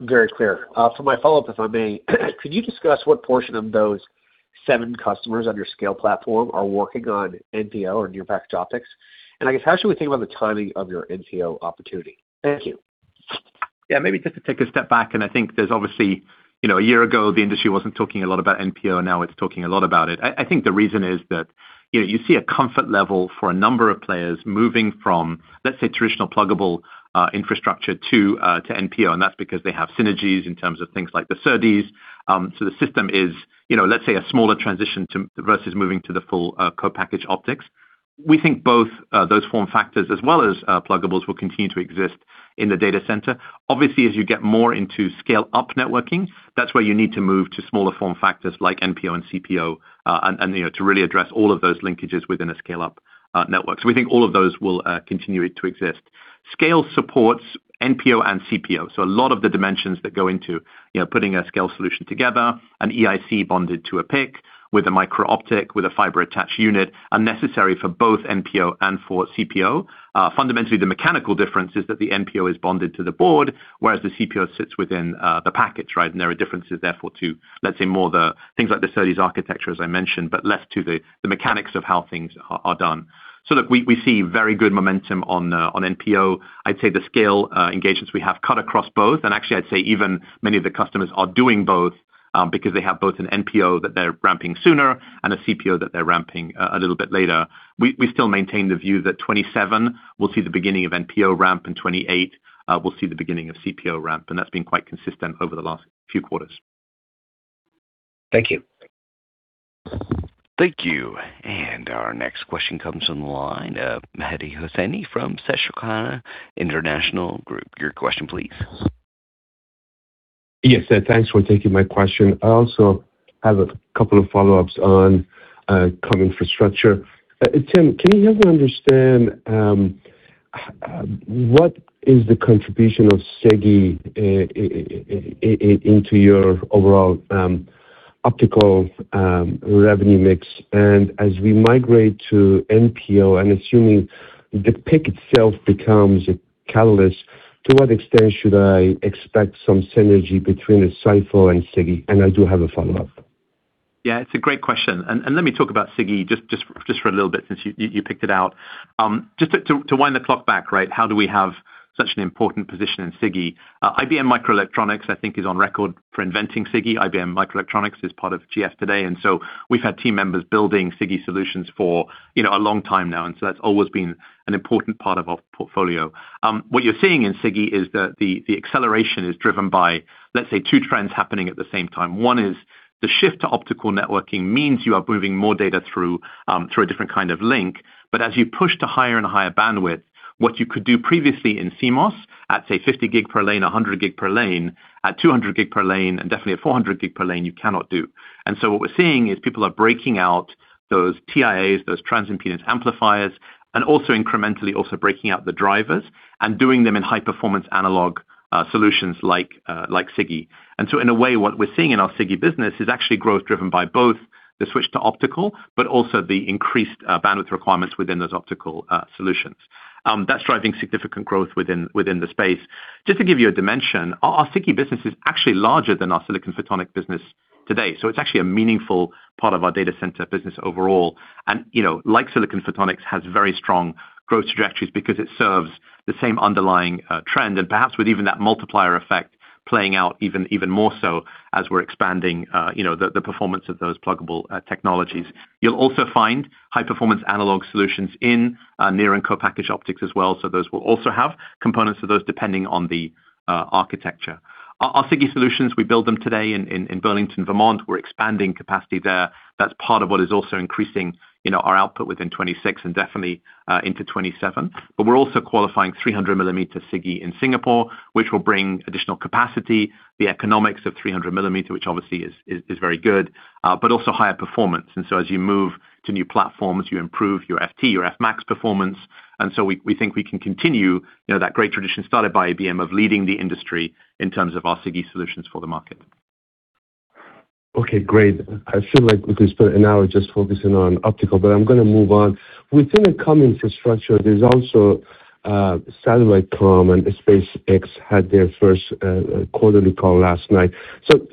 Very clear. For my follow-up, if I may, could you discuss what portion of those seven customers on your SCALE platform are working on NPO or near package optics? I guess how should we think about the timing of your NPO opportunity? Thank you. Maybe just to take a step back, I think there's obviously, a year ago, the industry wasn't talking a lot about NPO, now it's talking a lot about it. I think the reason is that you see a comfort level for a number of players moving from, let's say, traditional pluggable infrastructure to NPO, and that's because they have synergies in terms of things like the SerDes. The system is, let's say a smaller transition versus moving to the full co-package optics. We think both those form factors as well as pluggables will continue to exist in the data center. Obviously, as you get more into scale up networking, that's where you need to move to smaller form factors like NPO and CPO and to really address all of those linkages within a scale-up network. We think all of those will continue to exist. SCALE supports NPO and CPO. A lot of the dimensions that go into putting a SCALE solution together, an EIC bonded to a PIC with a micro-optic, with a fiber attached unit, are necessary for both NPO and for CPO. Fundamentally, the mechanical difference is that the NPO is bonded to the board, whereas the CPO sits within the package, right? There are differences therefore to, let's say, more the things like the SerDes architecture, as I mentioned, but less to the mechanics of how things are done. Look, we see very good momentum on NPO. I'd say the SCALE engagements we have cut across both, and actually I'd say even many of the customers are doing both because they have both an NPO that they're ramping sooner and a CPO that they're ramping a little bit later. We still maintain the view that 2027 will see the beginning of NPO ramp and 2028 will see the beginning of CPO ramp, that's been quite consistent over the last few quarters. Thank you. Thank you. Our next question comes from the line, Mehdi Hosseini from Susquehanna International Group. Your question please. Yes, thanks for taking my question. I also have a couple of follow-ups on comm infrastructure. Tim, can you help me understand what is the contribution of SiGe into your overall optical revenue mix? As we migrate to NPO, I'm assuming the PIC itself becomes a catalyst. To what extent should I expect some synergy between SiPho and SiGe? I do have a follow-up. Yeah, it's a great question. Let me talk about SiGe just for a little bit since you picked it out. Just to wind the clock back, how do we have such an important position in SiGe? IBM Microelectronics, I think, is on record for inventing SiGe. IBM Microelectronics is part of GF today, we've had team members building SiGe solutions for a long time now. That's always been an important part of our portfolio. What you're seeing in SiGe is that the acceleration is driven by, let's say, two trends happening at the same time. One is the shift to optical networking means you are moving more data through a different kind of link. As you push to higher and higher bandwidth, what you could do previously in CMOS at, say, 50 Gb per lane, 100 Gb per lane, at 200 Gb per lane, definitely at 400 Gb per lane, you cannot do. What we're seeing is people are breaking out those TIAs, those transimpedance amplifiers, incrementally also breaking out the drivers and doing them in high performance analog solutions like SiGe. In a way, what we're seeing in our SiGe business is actually growth driven by both the switch to optical, but also the increased bandwidth requirements within those optical solutions. That's driving significant growth within the space. Just to give you a dimension, our SiGe business is actually larger than our silicon photonic business today. It's actually a meaningful part of our data center business overall. Like silicon photonics, has very strong growth trajectories because it serves the same underlying trend. Perhaps with even that multiplier effect playing out even more so as we're expanding the performance of those pluggable technologies. You'll also find high performance analog solutions in near and co-package optics as well. Those will also have components for those, depending on the architecture. Our SiGe solutions, we build them today in Burlington, Vermont. We're expanding capacity there. That's part of what is also increasing our output within 2026 and definitely into 2027. We're also qualifying 300 mm SiGe in Singapore, which will bring additional capacity, the economics of 300 mm, which obviously is very good, but also higher performance. As you move to new platforms, you improve your Ft, your Fmax performance. And so we think we can continue that great tradition started by IBM of leading the industry in terms of our SiGe solutions for the market. Okay, great. I feel like we could spend an hour just focusing on optical, but I'm going to move on. Within the comm infrastructure, there's also satellite comm, and SpaceX had their first quarterly call last night. So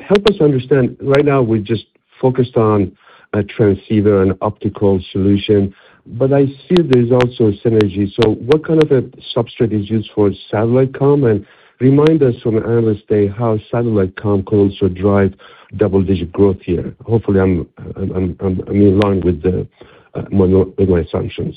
help us understand, right now we're just focused on a transceiver and optical solution, but I see there's also a synergy. So what kind of a substrate is used for satellite comm? And remind us from Analyst Day how satellite comm could also drive double-digit growth here. Hopefully, I'm in line with my assumptions.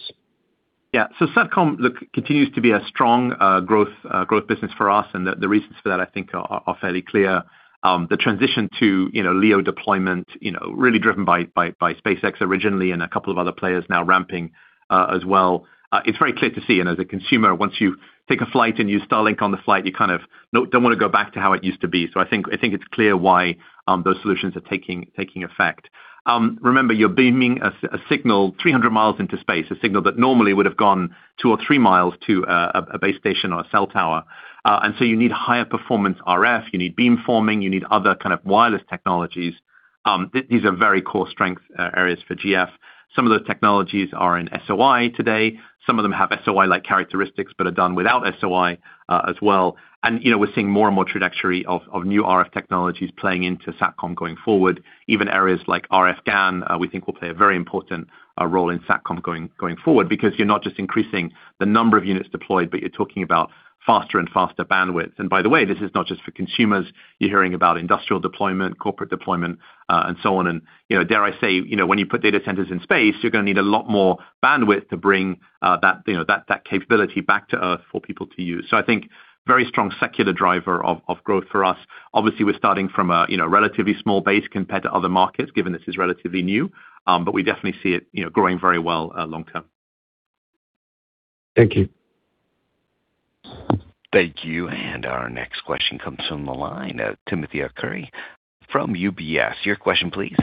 Yeah. SatCom, look, continues to be a strong growth business for us, and the reasons for that, I think, are fairly clear. The transition to LEO deployment, really driven by SpaceX originally and a couple of other players now ramping as well. It's very clear to see, and as a consumer, once you take a flight and use Starlink on the flight, you kind of don't want to go back to how it used to be. So I think it's clear why those solutions are taking effect. Remember, you're beaming a signal 300 mi into space, a signal that normally would have gone 2 mi or 3 mi to a base station or a cell tower. And so you need higher performance RF, you need beamforming, you need other kind of wireless technologies. These are very core strength areas for GF. Some of those technologies are in SOI today. Some of them have SOI-like characteristics but are done without SOI as well. we're seeing more and more trajectory of new RF technologies playing into SatCom going forward. Even areas like RF GaN, we think will play a very important role in SatCom going forward, because you're not just increasing the number of units deployed, but you're talking about faster and faster bandwidth. by the way, this is not just for consumers. You're hearing about industrial deployment, corporate deployment, and so on. dare I say, when you put data centers in space, you're going to need a lot more bandwidth to bring that capability back to Earth for people to use. I think very strong secular driver of growth for us. Obviously, we're starting from a relatively small base compared to other markets, given this is relatively new, but we definitely see it growing very well long term. Thank you. Thank you. Our next question comes from the line, Timothy Arcuri from UBS. Your question, please.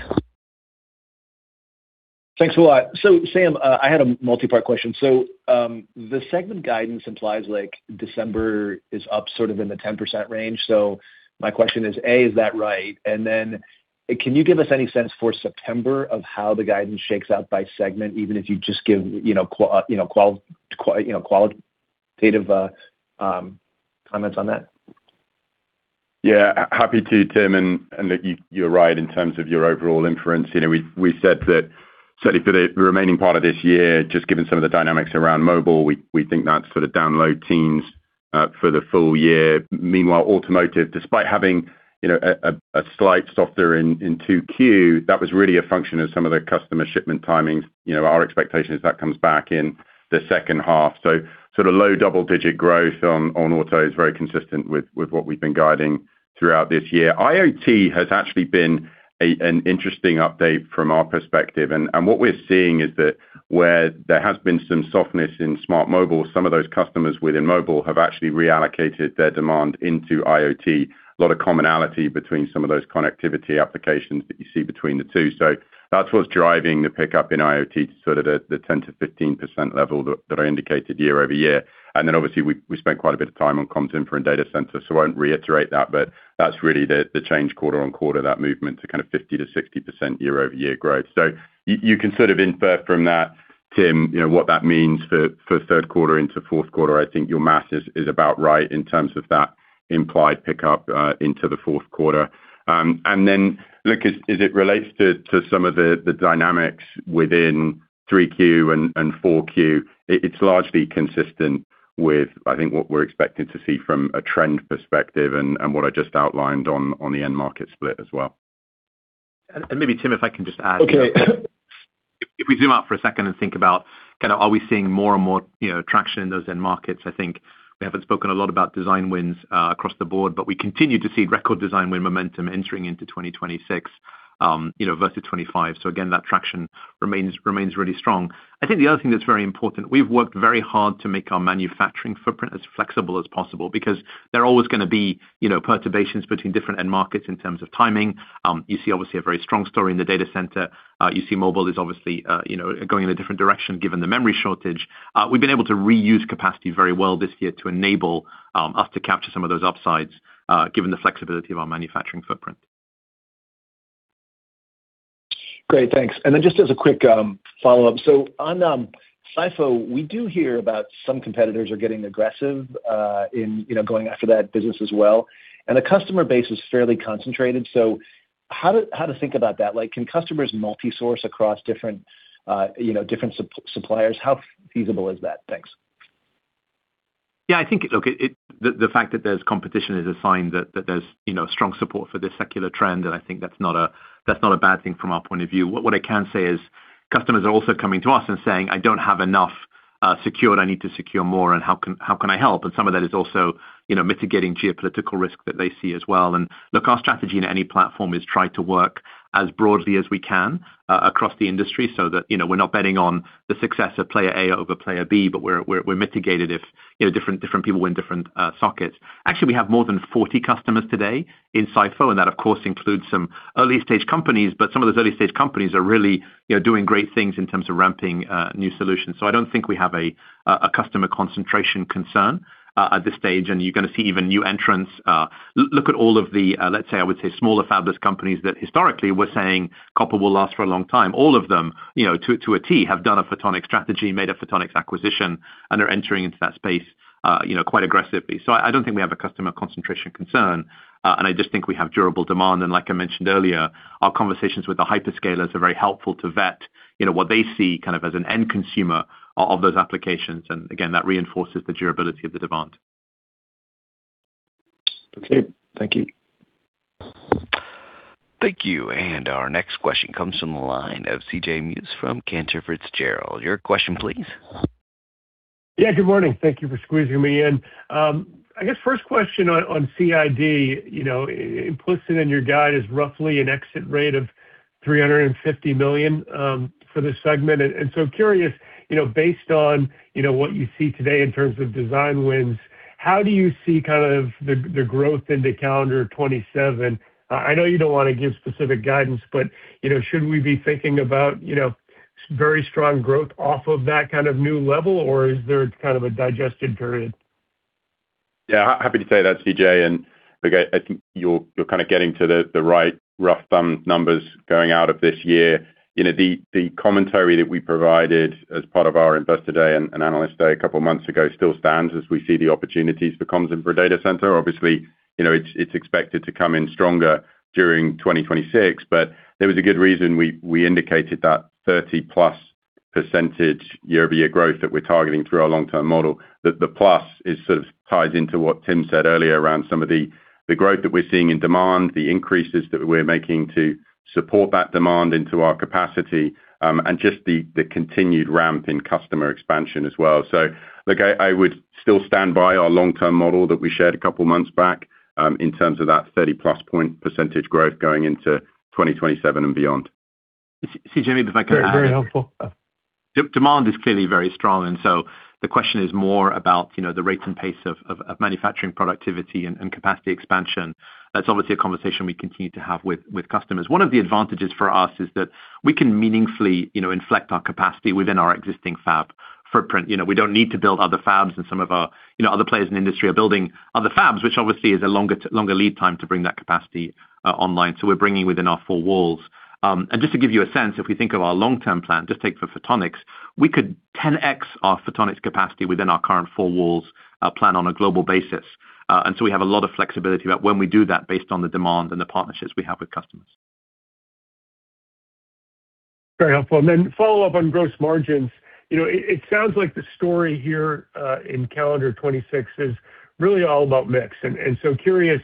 Thanks a lot. Sam, I had a multipart question. The segment guidance implies December is up sort of in the 10% range. My question is, A, is that right? Then, can you give us any sense for September of how the guidance shakes out by segment, even if you just give qualitative comments on that? Yeah, happy to, Tim, and you're right in terms of your overall inference. We said that for the remaining part of this year, just given some of the dynamics around mobile, we think that's sort of download teens for the full-year. Meanwhile, automotive, despite having a slight softer in 2Q, that was really a function of some of their customer shipment timings. Our expectation is that comes back in the second half. Sort of low-double-digit growth on auto is very consistent with what we've been guiding throughout this year. IoT has actually been an interesting update from our perspective. what we're seeing is that where there has been some softness in smart mobile, some of those customers within mobile have actually reallocated their demand into IoT. A lot of commonality between some of those connectivity applications that you see between the two. That's what's driving the pickup in IoT to sort of the 10% to 15% level that I indicated year-over-year. Then obviously we spent quite a bit of time on content for in data center, so I won't reiterate that, but that's really the change quarter-on-quarter, that movement to kind of 50% to 60% year-over-year growth. you can sort of infer from that, Tim, what that means for third quarter into fourth quarter. I think your math is about right in terms of that implied pickup into the fourth quarter. then, look, as it relates to some of the dynamics within 3Q and 4Q, it's largely consistent with, I think, what we're expecting to see from a trend perspective and what I just outlined on the end market split as well. maybe Tim, if I can just add— Okay if we zoom out for a second and think about are we seeing more and more traction in those end markets, I think we haven't spoken a lot about design wins across the board, but we continue to see record design win momentum entering into 2026 versus 2025. again, that traction remains really strong. I think the other thing that's very important, we've worked very hard to make our manufacturing footprint as flexible as possible because there are always going to be perturbations between different end markets in terms of timing. You see, obviously, a very strong story in the data center. You see mobile is obviously going in a different direction given the memory shortage. We've been able to reuse capacity very well this year to enable us to capture some of those upsides, given the flexibility of our manufacturing footprint. Great, thanks. then just as a quick follow-up, so on SiPho, we do hear about some competitors are getting aggressive in going after that business as well, and the customer base is fairly concentrated. how to think about that? Can customers multi-source across different suppliers? How feasible is that? Thanks. Yeah, I think, look, the fact that there's competition is a sign that there's strong support for this secular trend, and I think that's not a bad thing from our point of view. What I can say is customers are also coming to us and saying, I don't have enough secured. I need to secure more, and how can I help? Some of that is also mitigating geopolitical risk that they see as well. Look, our strategy in any platform is try to work as broadly as we can across the industry so that we're not betting on the success of player A over player B, but we're mitigated if different people win different sockets. Actually, we have more than 40 customers today in SiPho, and that of course includes some early-stage companies, but some of those early-stage companies are really doing great things in terms of ramping new solutions. I don't think we have a customer concentration concern at this stage, and you're going to see even new entrants. Look at all of the, let's say, I would say smaller fabless companies that historically were saying copper will last for a long time. All of them, to a T, have done a photonics strategy, made a photonics acquisition, and are entering into that space quite aggressively. I don't think we have a customer concentration concern, and I just think we have durable demand. like I mentioned earlier, our conversations with the hyperscalers are very helpful to vet what they see kind of as an end consumer of those applications. And again, that reinforces the durability of the demand. Okay. Thank you. Thank you. Our next question comes from the line of CJ Muse from Cantor Fitzgerald. Your question, please. Yeah, good morning. Thank you for squeezing me in. I guess first question on CID. Implicit in your guide is roughly an exit rate of $350 million for this segment. Curious, based on what you see today in terms of design wins, how do you see the growth into calendar 2027? I know you don't want to give specific guidance, but should we be thinking about very strong growth off of that kind of new level, or is there kind of a digested period? Happy to take that, CJ, and look, I think you're kind of getting to the right rough thumb numbers going out of this year. The commentary that we provided as part of our investor day and analyst day a couple of months ago still stands as we see the opportunities for comms and for data center. Obviously, it's expected to come in stronger during 2026, but there was a good reason we indicated that 30+% year-over-year growth that we're targeting through our long-term model. The plus is sort of ties into what Tim said earlier around some of the growth that we're seeing in demand, the increases that we're making to support that demand into our capacity, and just the continued ramp in customer expansion as well. look, I would still stand by our long-term model that we shared a couple of months back, in terms of that 30+ point percentage growth going into 2027 and beyond. CJ, maybe if I could add— Very helpful. demand is clearly very strong, and so the question is more about the rate and pace of manufacturing productivity and capacity expansion. That's obviously a conversation we continue to have with customers. One of the advantages for us is that we can meaningfully inflect our capacity within our existing fab footprint. We don't need to build other fabs, and some of our other players in the industry are building other fabs, which obviously is a longer lead time to bring that capacity online. We're bringing within our four walls. just to give you a sense, if we think of our long-term plan, just take for photonics, we could 10x our photonics capacity within our current four walls plan on a global basis. we have a lot of flexibility about when we do that based on the demand and the partnerships we have with customers. Very helpful. Then follow up on gross margins. It sounds like the story here, in calendar 2026 is really all about mix. Curious,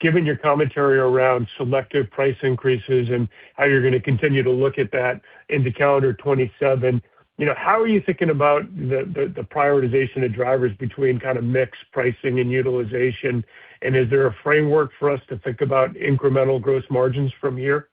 given your commentary around selective price increases and how you're going to continue to look at that into calendar 2027, how are you thinking about the prioritization of drivers between kind of mix pricing and utilization? Is there a framework for us to think about incremental gross margins from here?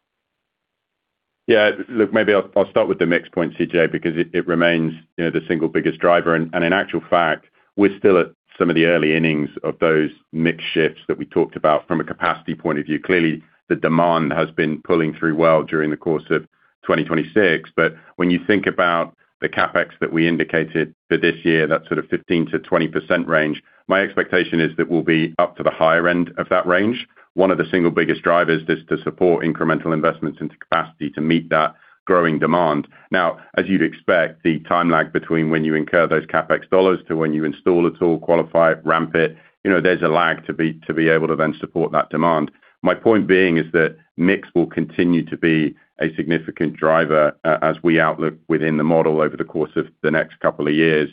Yeah. Look, maybe I'll start with the mix point, CJ, because it remains the single biggest driver. In actual fact, we're still at some of the early innings of those mix shifts that we talked about from a capacity point of view. Clearly, the demand has been pulling through well during the course of 2026. When you think about the CapEx that we indicated for this year, that sort of 15%-20% range, my expectation is that we'll be up to the higher-end of that range. One of the single biggest drivers is to support incremental investments into capacity to meet that growing demand. Now, as you'd expect, the time lag between when you incur those CapEx dollars to when you install a tool, qualify it, ramp it, there's a lag to be able to then support that demand. My point being is that mix will continue to be a significant driver as we outlook within the model over the course of the next couple of years.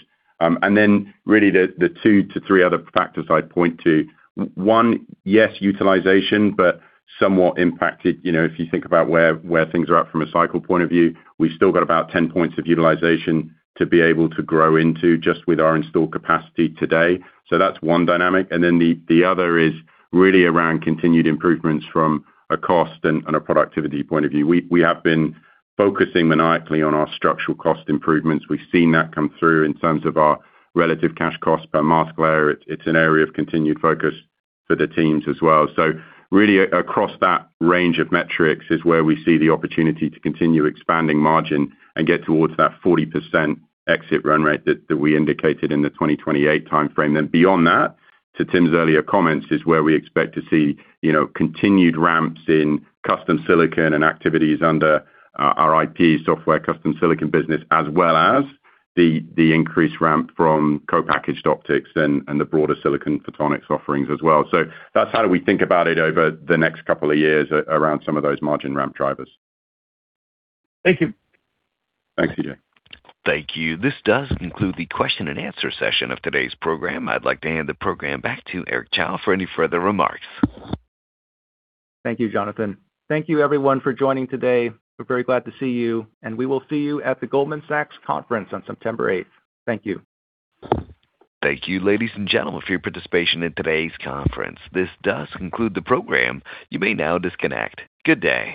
Really the two to three other factors I'd point to, one, yes, utilization, but somewhat impacted. If you think about where things are at from a cycle point of view, we've still got about 10 points of utilization to be able to grow into just with our in-store capacity today. That's one dynamic, and then the other is really around continued improvements from a cost and a productivity point of view. We have been focusing maniacally on our structural cost improvements. We've seen that come through in terms of our relative cash cost per mask layer. It's an area of continued focus for the teams as well. Really across that range of metrics is where we see the opportunity to continue expanding margin and get towards that 40% exit run rate that we indicated in the 2028 timeframe. Beyond that, to Tim's earlier comments, is where we expect to see continued ramps in custom silicon and activities under our IP software custom silicon business, as well as the increased ramp from co-packaged optics and the broader silicon photonics offerings as well. That's how we think about it over the next couple of years around some of those margin ramp drivers. Thank you. Thanks, CJ. Thank you. This does conclude the question-and-answer session of today's program. I'd like to hand the program back to Eric Chow for any further remarks. Thank you, Jonathan. Thank you everyone for joining today. We're very glad to see you, and we will see you at the Goldman Sachs conference on September 8th. Thank you. Thank you, ladies and gentlemen, for your participation in today's conference. This does conclude the program. You may now disconnect. Good day.